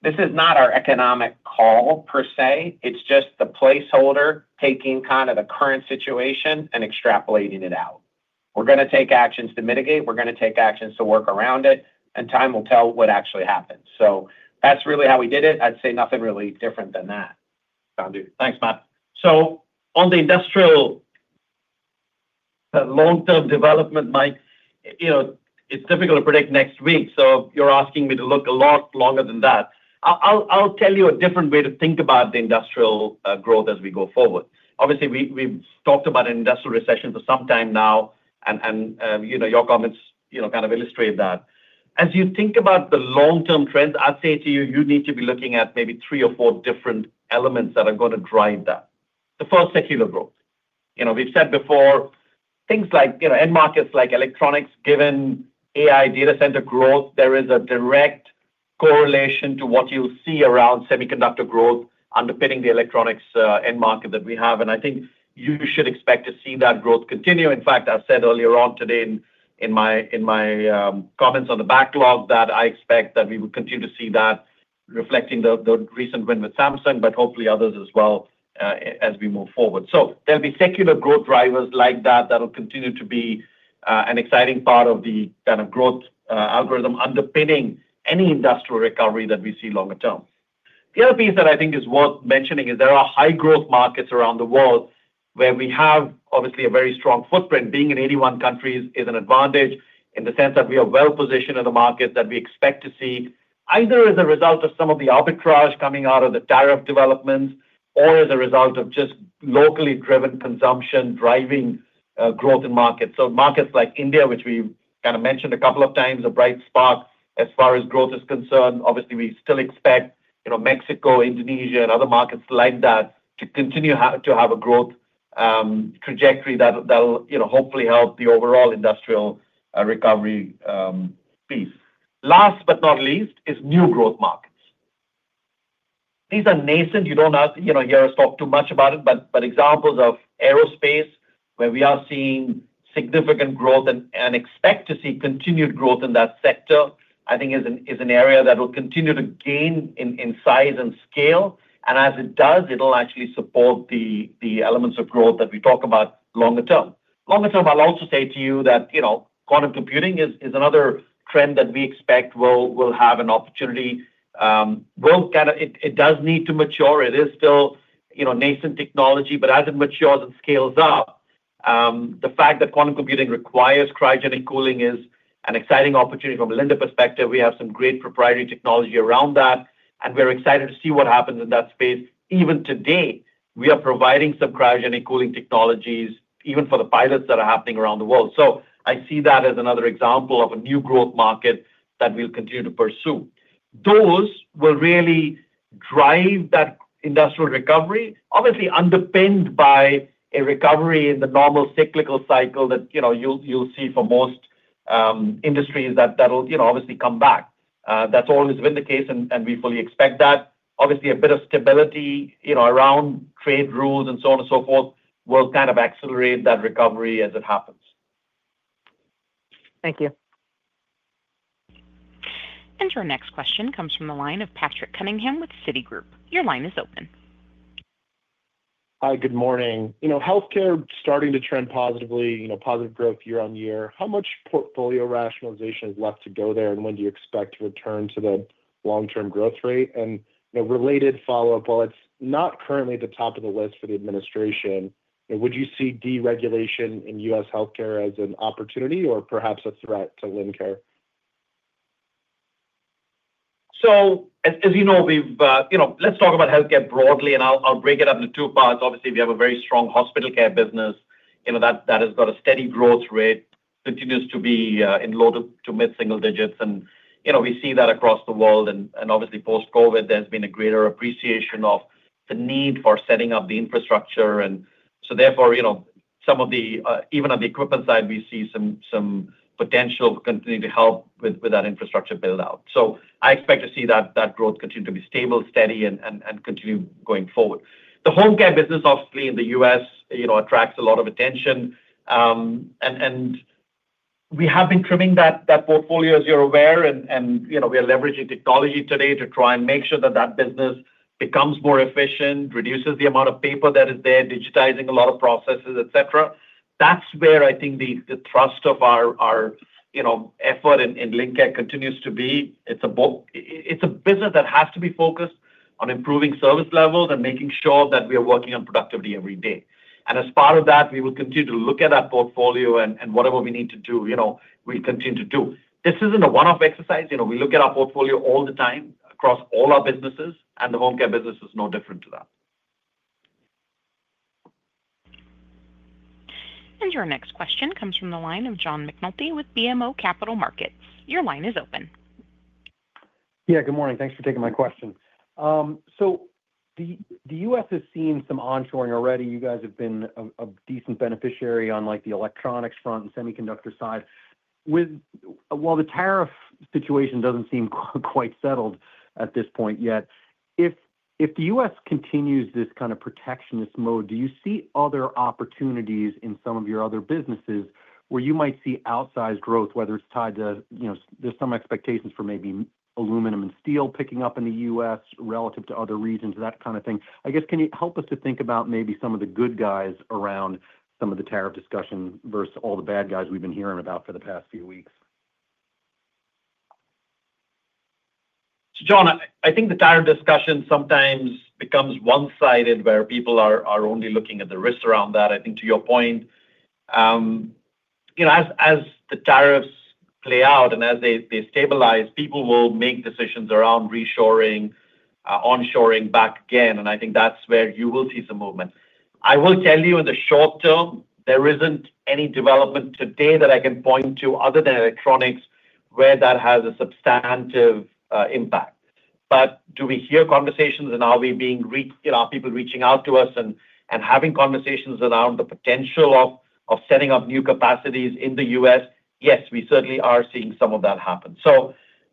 this is not our economic call per se. It is just the placeholder taking kind of the current situation and extrapolating it out. We're going to take actions to mitigate. We're going to take actions to work around it. Time will tell what actually happens. That's really how we did it. I'd say nothing really different than that. Thanks, Matt. On the industrial long-term development, Mike, it's difficult to predict next week. You're asking me to look a lot longer than that. I'll tell you a different way to think about the industrial growth as we go forward. Obviously, we've talked about an industrial recession for some time now, and your comments kind of illustrate that. As you think about the long-term trends, I'd say to you, you need to be looking at maybe three or four different elements that are going to drive that. The first, secular growth. We've said before, things like end markets like electronics, given AI data center growth, there is a direct correlation to what you'll see around semiconductor growth underpinning the electronics end market that we have. I think you should expect to see that growth continue. In fact, I said earlier on today in my comments on the backlog that I expect that we will continue to see that reflecting the recent win with Samsung, but hopefully others as well as we move forward. There will be secular growth drivers like that that will continue to be an exciting part of the kind of growth algorithm underpinning any industrial recovery that we see longer term. The other piece that I think is worth mentioning is there are high-growth markets around the world where we have obviously a very strong footprint. Being in 81 countries is an advantage in the sense that we are well-positioned in the market that we expect to see either as a result of some of the arbitrage coming out of the tariff developments or as a result of just locally driven consumption driving growth in markets. Markets like India, which we kind of mentioned a couple of times, are a bright spot as far as growth is concerned. Obviously, we still expect Mexico, Indonesia, and other markets like that to continue to have a growth trajectory that'll hopefully help the overall industrial recovery piece. Last but not least is new growth markets. These are nascent. You do not hear us talk too much about it. Examples of aerospace, where we are seeing significant growth and expect to see continued growth in that sector, I think is an area that will continue to gain in size and scale. As it does, it'll actually support the elements of growth that we talk about longer term. Longer term, I'll also say to you that quantum computing is another trend that we expect will have an opportunity. It does need to mature. It is still nascent technology. As it matures and scales up, the fact that quantum computing requires cryogenic cooling is an exciting opportunity from a Linde perspective. We have some great proprietary technology around that. We are excited to see what happens in that space. Even today, we are providing some cryogenic cooling technologies even for the pilots that are happening around the world. I see that as another example of a new growth market that we will continue to pursue. Those will really drive that industrial recovery, obviously underpinned by a recovery in the normal cyclical cycle that you will see for most industries that will obviously come back. That has always been the case, and we fully expect that. Obviously, a bit of stability around trade rules and so on and so forth will kind of accelerate that recovery as it happens. Thank you. Your next question comes from the line of Patrick Cunningham with Citigroup. Your line is open. Hi, good morning. Healthcare starting to trend positively, positive growth year on year. How much portfolio rationalization is left to go there, and when do you expect to return to the long term growth rate? Related follow up, while it's not currently at the top of the list for the administration, would you see deregulation in U.S. healthcare as an opportunity or perhaps a threat to Linde care? As you know, let's talk about healthcare broadly, and I'll break it up into two parts. Obviously, we have a very strong hospital care business that has got a steady growth rate, continues to be in low to mid-single digits. We see that across the world. Obviously, post-COVID, there's been a greater appreciation of the need for setting up the infrastructure. Therefore, even on the equipment side, we see some potential continuing to help with that infrastructure build-out. I expect to see that growth continue to be stable, steady, and continue going forward. The home care business, obviously, in the U.S. attracts a lot of attention. We have been trimming that portfolio, as you're aware. We are leveraging technology today to try and make sure that that business becomes more efficient, reduces the amount of paper that is there, digitizing a lot of processes, etc. That is where I think the thrust of our effort in lend care continues to be. It is a business that has to be focused on improving service levels and making sure that we are working on productivity every day. As part of that, we will continue to look at that portfolio, and whatever we need to do, we continue to do. This is not a one-off exercise. We look at our portfolio all the time across all our businesses, and the home care business is no different to that. Your next question comes from the line of John McNulty with BMO Capital Markets. Your line is open. Yeah, good morning. Thanks for taking my question. The U.S. has seen some onshoring already. You guys have been a decent beneficiary on the electronics front and semiconductor side. While the tariff situation does not seem quite settled at this point yet, if the U.S. continues this kind of protectionist mode, do you see other opportunities in some of your other businesses where you might see outsized growth, whether it is tied to there are some expectations for maybe aluminum and steel picking up in the U.S. relative to other regions, that kind of thing? I guess, can you help us to think about maybe some of the good guys around some of the tariff discussion versus all the bad guys we have been hearing about for the past few weeks? John, I think the tariff discussion sometimes becomes one-sided, where people are only looking at the risks around that. I think to your point, as the tariffs play out and as they stabilize, people will make decisions around reshoring, onshoring back again. I think that is where you will see some movement. I will tell you, in the short term, there is not any development today that I can point to other than electronics, where that has a substantive impact. Do we hear conversations, and are people reaching out to us and having conversations around the potential of setting up new capacities in the U.S.? Yes, we certainly are seeing some of that happen.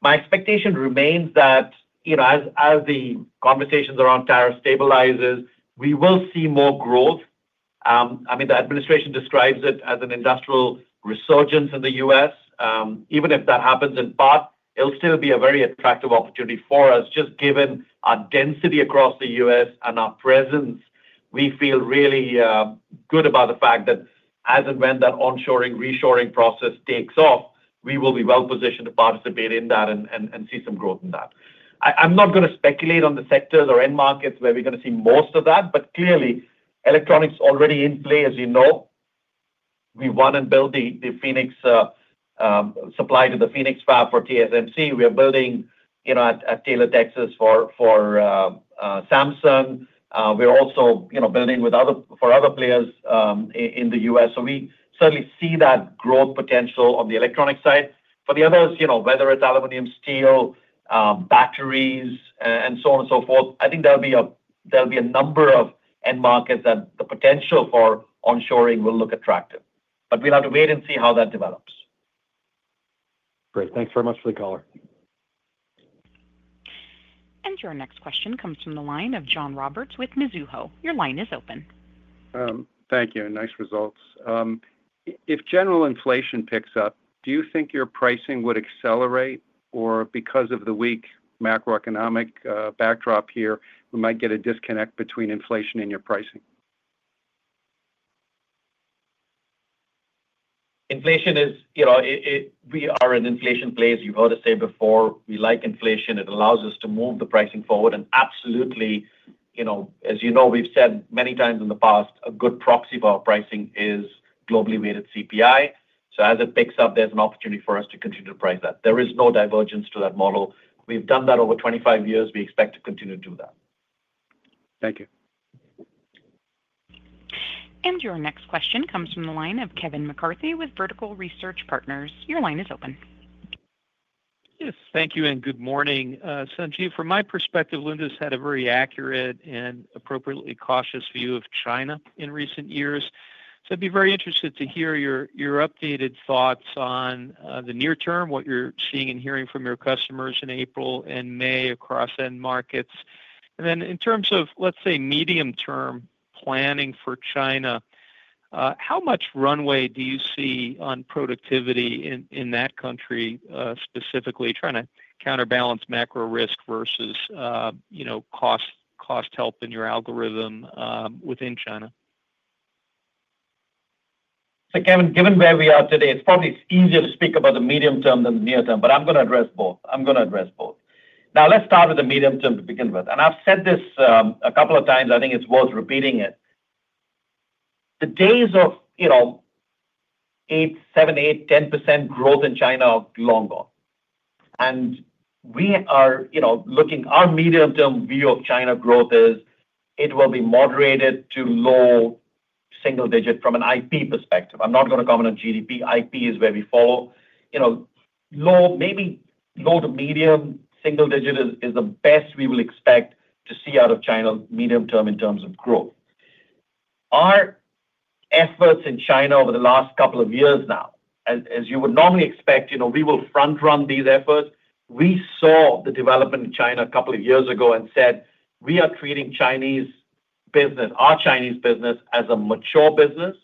My expectation remains that as the conversations around tariffs stabilize, we will see more growth. I mean, the administration describes it as an industrial resurgence in the U.S. Even if that happens in part, it'll still be a very attractive opportunity for us. Just given our density across the U.S. and our presence, we feel really good about the fact that as and when that onshoring, reshoring process takes off, we will be well positioned to participate in that and see some growth in that. I'm not going to speculate on the sectors or end markets where we're going to see most of that. Clearly, electronics is already in play, as you know. We want to build the Phoenix supply to the Phoenix Fab for TSMC. We are building at Taylor, Texas for Samsung. We're also building for other players in the U.S. We certainly see that growth potential on the electronic side. For the others, whether it's aluminum, steel, batteries, and so on and so forth, I think there'll be a number of end markets that the potential for onshoring will look attractive. We'll have to wait and see how that develops. Great. Thanks very much for the color. Your next question comes from the line of John Roberts with Mizuho. Your line is open. Thank you. Nice results. If general inflation picks up, do you think your pricing would accelerate? Or because of the weak macroeconomic backdrop here, we might get a disconnect between inflation and your pricing? Inflation is we are in inflation plays. You have heard us say before. We like inflation. It allows us to move the pricing forward. Absolutely, as you know, we have said many times in the past, a good proxy for our pricing is globally weighted CPI. As it picks up, there is an opportunity for us to continue to price that. There is no divergence to that model. We have done that over 25 years. We expect to continue to do that. Thank you. Your next question comes from the line of Kevin McCarthy with Vertical Research Partners. Your line is open. Yes. Thank you and good morning. Sanjiv, from my perspective, Linde's had a very accurate and appropriately cautious view of China in recent years. I would be very interested to hear your updated thoughts on the near term, what you're seeing and hearing from your customers in April and May across end markets. In terms of, let's say, medium term planning for China, how much runway do you see on productivity in that country specifically, trying to counterbalance macro risk versus cost help in your algorithm within China? Given where we are today, it's probably easier to speak about the medium term than the near term. I'm going to address both. Now, let's start with the medium term to begin with. I have said this a couple of times. I think it's worth repeating it. The days of 7%, 8%, 10% growth in China are long gone. We are looking, our medium-term view of China growth is it will be moderated to low single digit from an IP perspective. I'm not going to comment on GDP, IP is where we follow. Maybe low to medium single digit is the best we will expect to see out of China medium term in terms of growth. Our efforts in China over the last couple of years now, as you would normally expect, we will front-run these efforts. We saw the development in China a couple of years ago and said, "We are treating our Chinese business as a mature business."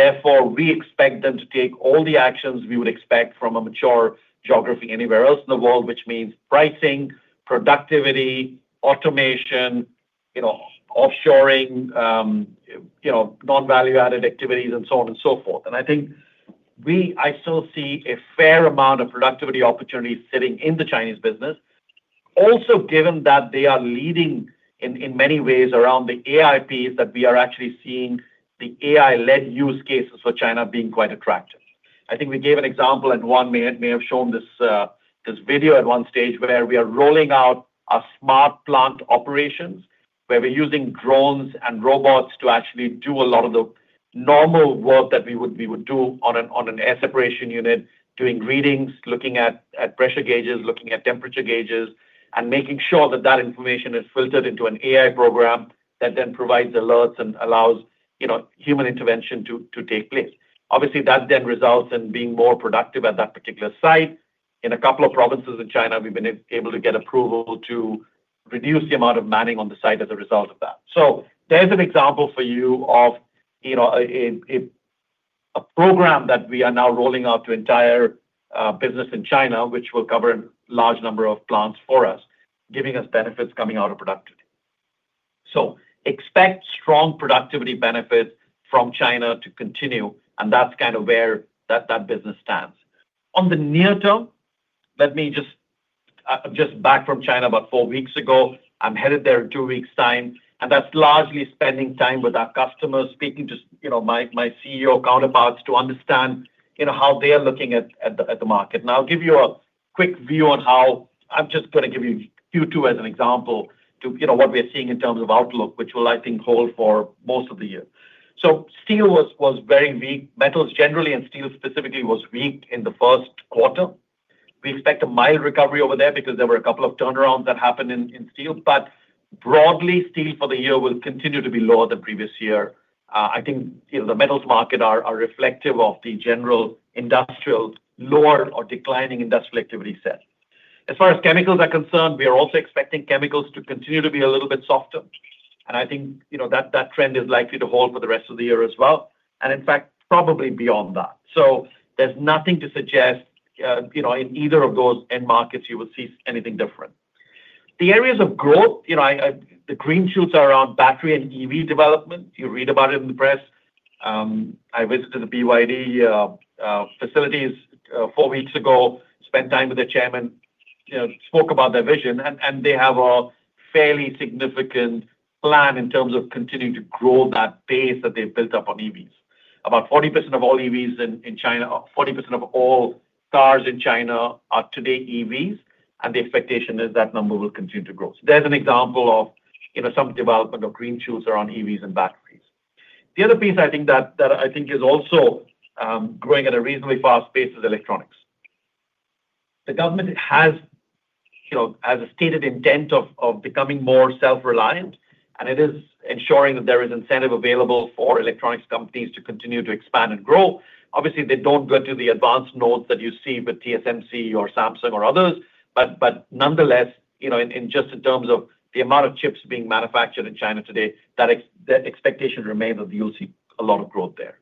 Therefore, we expect them to take all the actions we would expect from a mature geography anywhere else in the world, which means pricing, productivity, automation, offshoring, non-value-added activities, and so on and so forth. I think I still see a fair amount of productivity opportunities sitting in the Chinese business, also given that they are leading in many ways around the AI piece that we are actually seeing the AI-led use cases for China being quite attractive. I think we gave an example and one may have shown this video at one stage where we are rolling out our smart plant operations, where we're using drones and robots to actually do a lot of the normal work that we would do on an air separation unit, doing readings, looking at pressure gauges, looking at temperature gauges, and making sure that that information is filtered into an AI program that then provides alerts and allows human intervention to take place. Obviously, that then results in being more productive at that particular site. In a couple of provinces in China, we've been able to get approval to reduce the amount of manning on the site as a result of that. There's an example for you of a program that we are now rolling out to the entire business in China, which will cover a large number of plants for us, giving us benefits coming out of productivity. Expect strong productivity benefits from China to continue. That's kind of where that business stands. On the near term, I'm just back from China about four weeks ago. I'm headed there in two weeks' time. That's largely spending time with our customers, speaking to my CEO counterparts to understand how they are looking at the market. I'll give you a quick view on how I'm just going to give you Q2 as an example to what we're seeing in terms of outlook, which will, I think, hold for most of the year. Steel was very weak. Metals generally, and steel specifically, was weak in the first quarter. We expect a mild recovery over there because there were a couple of turnarounds that happened in steel. Broadly, steel for the year will continue to be lower than previous year. I think the metals market are reflective of the general industrial lower or declining industrial activity set. As far as chemicals are concerned, we are also expecting chemicals to continue to be a little bit softer. I think that trend is likely to hold for the rest of the year as well, and in fact, probably beyond that. There is nothing to suggest in either of those end markets you will see anything different. The areas of growth, the green shoots are around battery and EV development. You read about it in the press. I visited the BYD facilities four weeks ago, spent time with the chairman, spoke about their vision. They have a fairly significant plan in terms of continuing to grow that base that they've built up on EVs. About 40% of all EVs in China, 40% of all cars in China are today EVs. The expectation is that number will continue to grow. There is an example of some development of green shoots around EVs and batteries. The other piece I think that is also growing at a reasonably fast pace is electronics. The government has a stated intent of becoming more self-reliant. It is ensuring that there is incentive available for electronics companies to continue to expand and grow. Obviously, they do not go to the advanced nodes that you see with TSMC or Samsung or others. Nonetheless, just in terms of the amount of chips being manufactured in China today, that expectation remains that you will see a lot of growth there.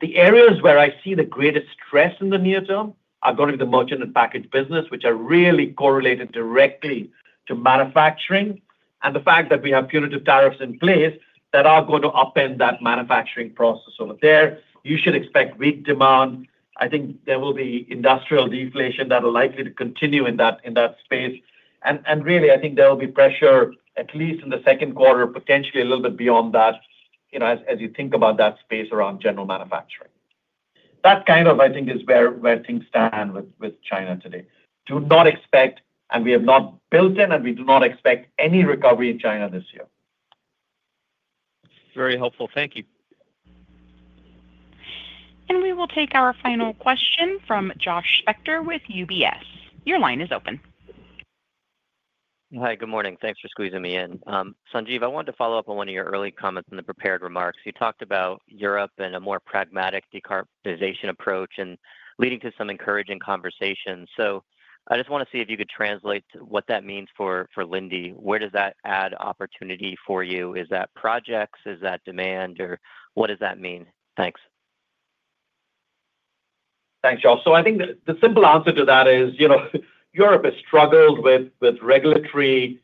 The areas where I see the greatest stress in the near term are going to be the merchant and package business, which are really correlated directly to manufacturing. The fact that we have punitive tariffs in place that are going to upend that manufacturing process over there. You should expect weak demand. I think there will be industrial deflation that is likely to continue in that space. I think there will be pressure, at least in the second quarter, potentially a little bit beyond that as you think about that space around general manufacturing. That kind of, I think, is where things stand with China today. Do not expect, and we have not built in, and we do not expect any recovery in China this year. Very helpful. Thank you. We will take our final question from Josh Spector with UBS. Your line is open. Hi, good morning. Thanks for squeezing me in. Sanjiv, I wanted to follow up on one of your early comments in the prepared remarks. You talked about Europe and a more pragmatic decarbonization approach and leading to some encouraging conversations. I just want to see if you could translate what that means for Linde. Where does that add opportunity for you? Is that projects? Is that demand? Or what does that mean? Thanks. Thanks, Josh. I think the simple answer to that is Europe has struggled with regulatory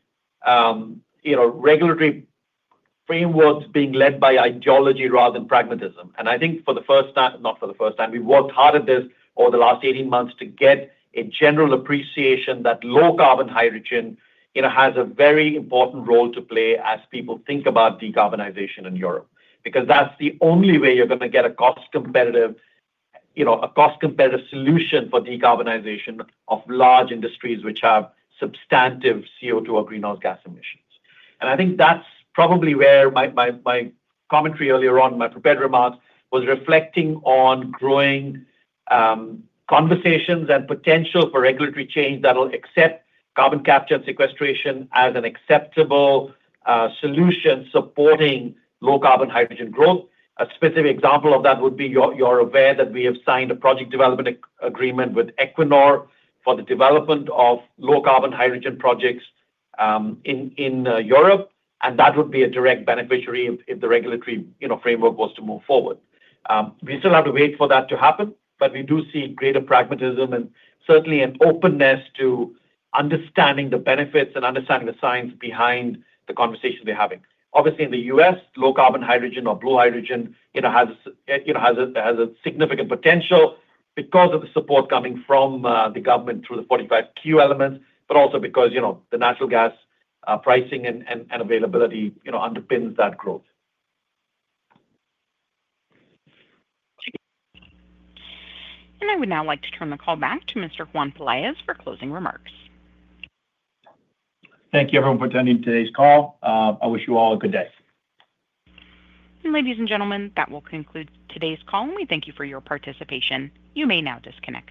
frameworks being led by ideology rather than pragmatism. I think for the first time, not for the first time. We've worked hard at this over the last 18 months to get a general appreciation that low carbon hydrogen has a very important role to play as people think about decarbonization in Europe. Because that's the only way you're going to get a cost competitive solution for decarbonization of large industries which have substantive CO2 or greenhouse gas emissions. I think that's probably where my commentary earlier on, my prepared remarks, was reflecting on growing conversations and potential for regulatory change that will accept carbon capture and sequestration as an acceptable solution supporting low carbon hydrogen growth. A specific example of that would be you're aware that we have signed a project development agreement with Equinor for the development of low carbon hydrogen projects in Europe. That would be a direct beneficiary if the regulatory framework was to move forward. We still have to wait for that to happen. We do see greater pragmatism and certainly an openness to understanding the benefits and understanding the science behind the conversation we're having. Obviously, in the U.S., low carbon hydrogen or blue hydrogen has a significant potential because of the support coming from the government through the 45Q elements, but also because the natural gas pricing and availability underpins that growth. I would now like to turn the call back to Mr. Juan Peláez for closing remarks. Thank you, everyone, for attending today's call. I wish you all a good day. Ladies and gentlemen, that will conclude today's call. We thank you for your participation. You may now disconnect.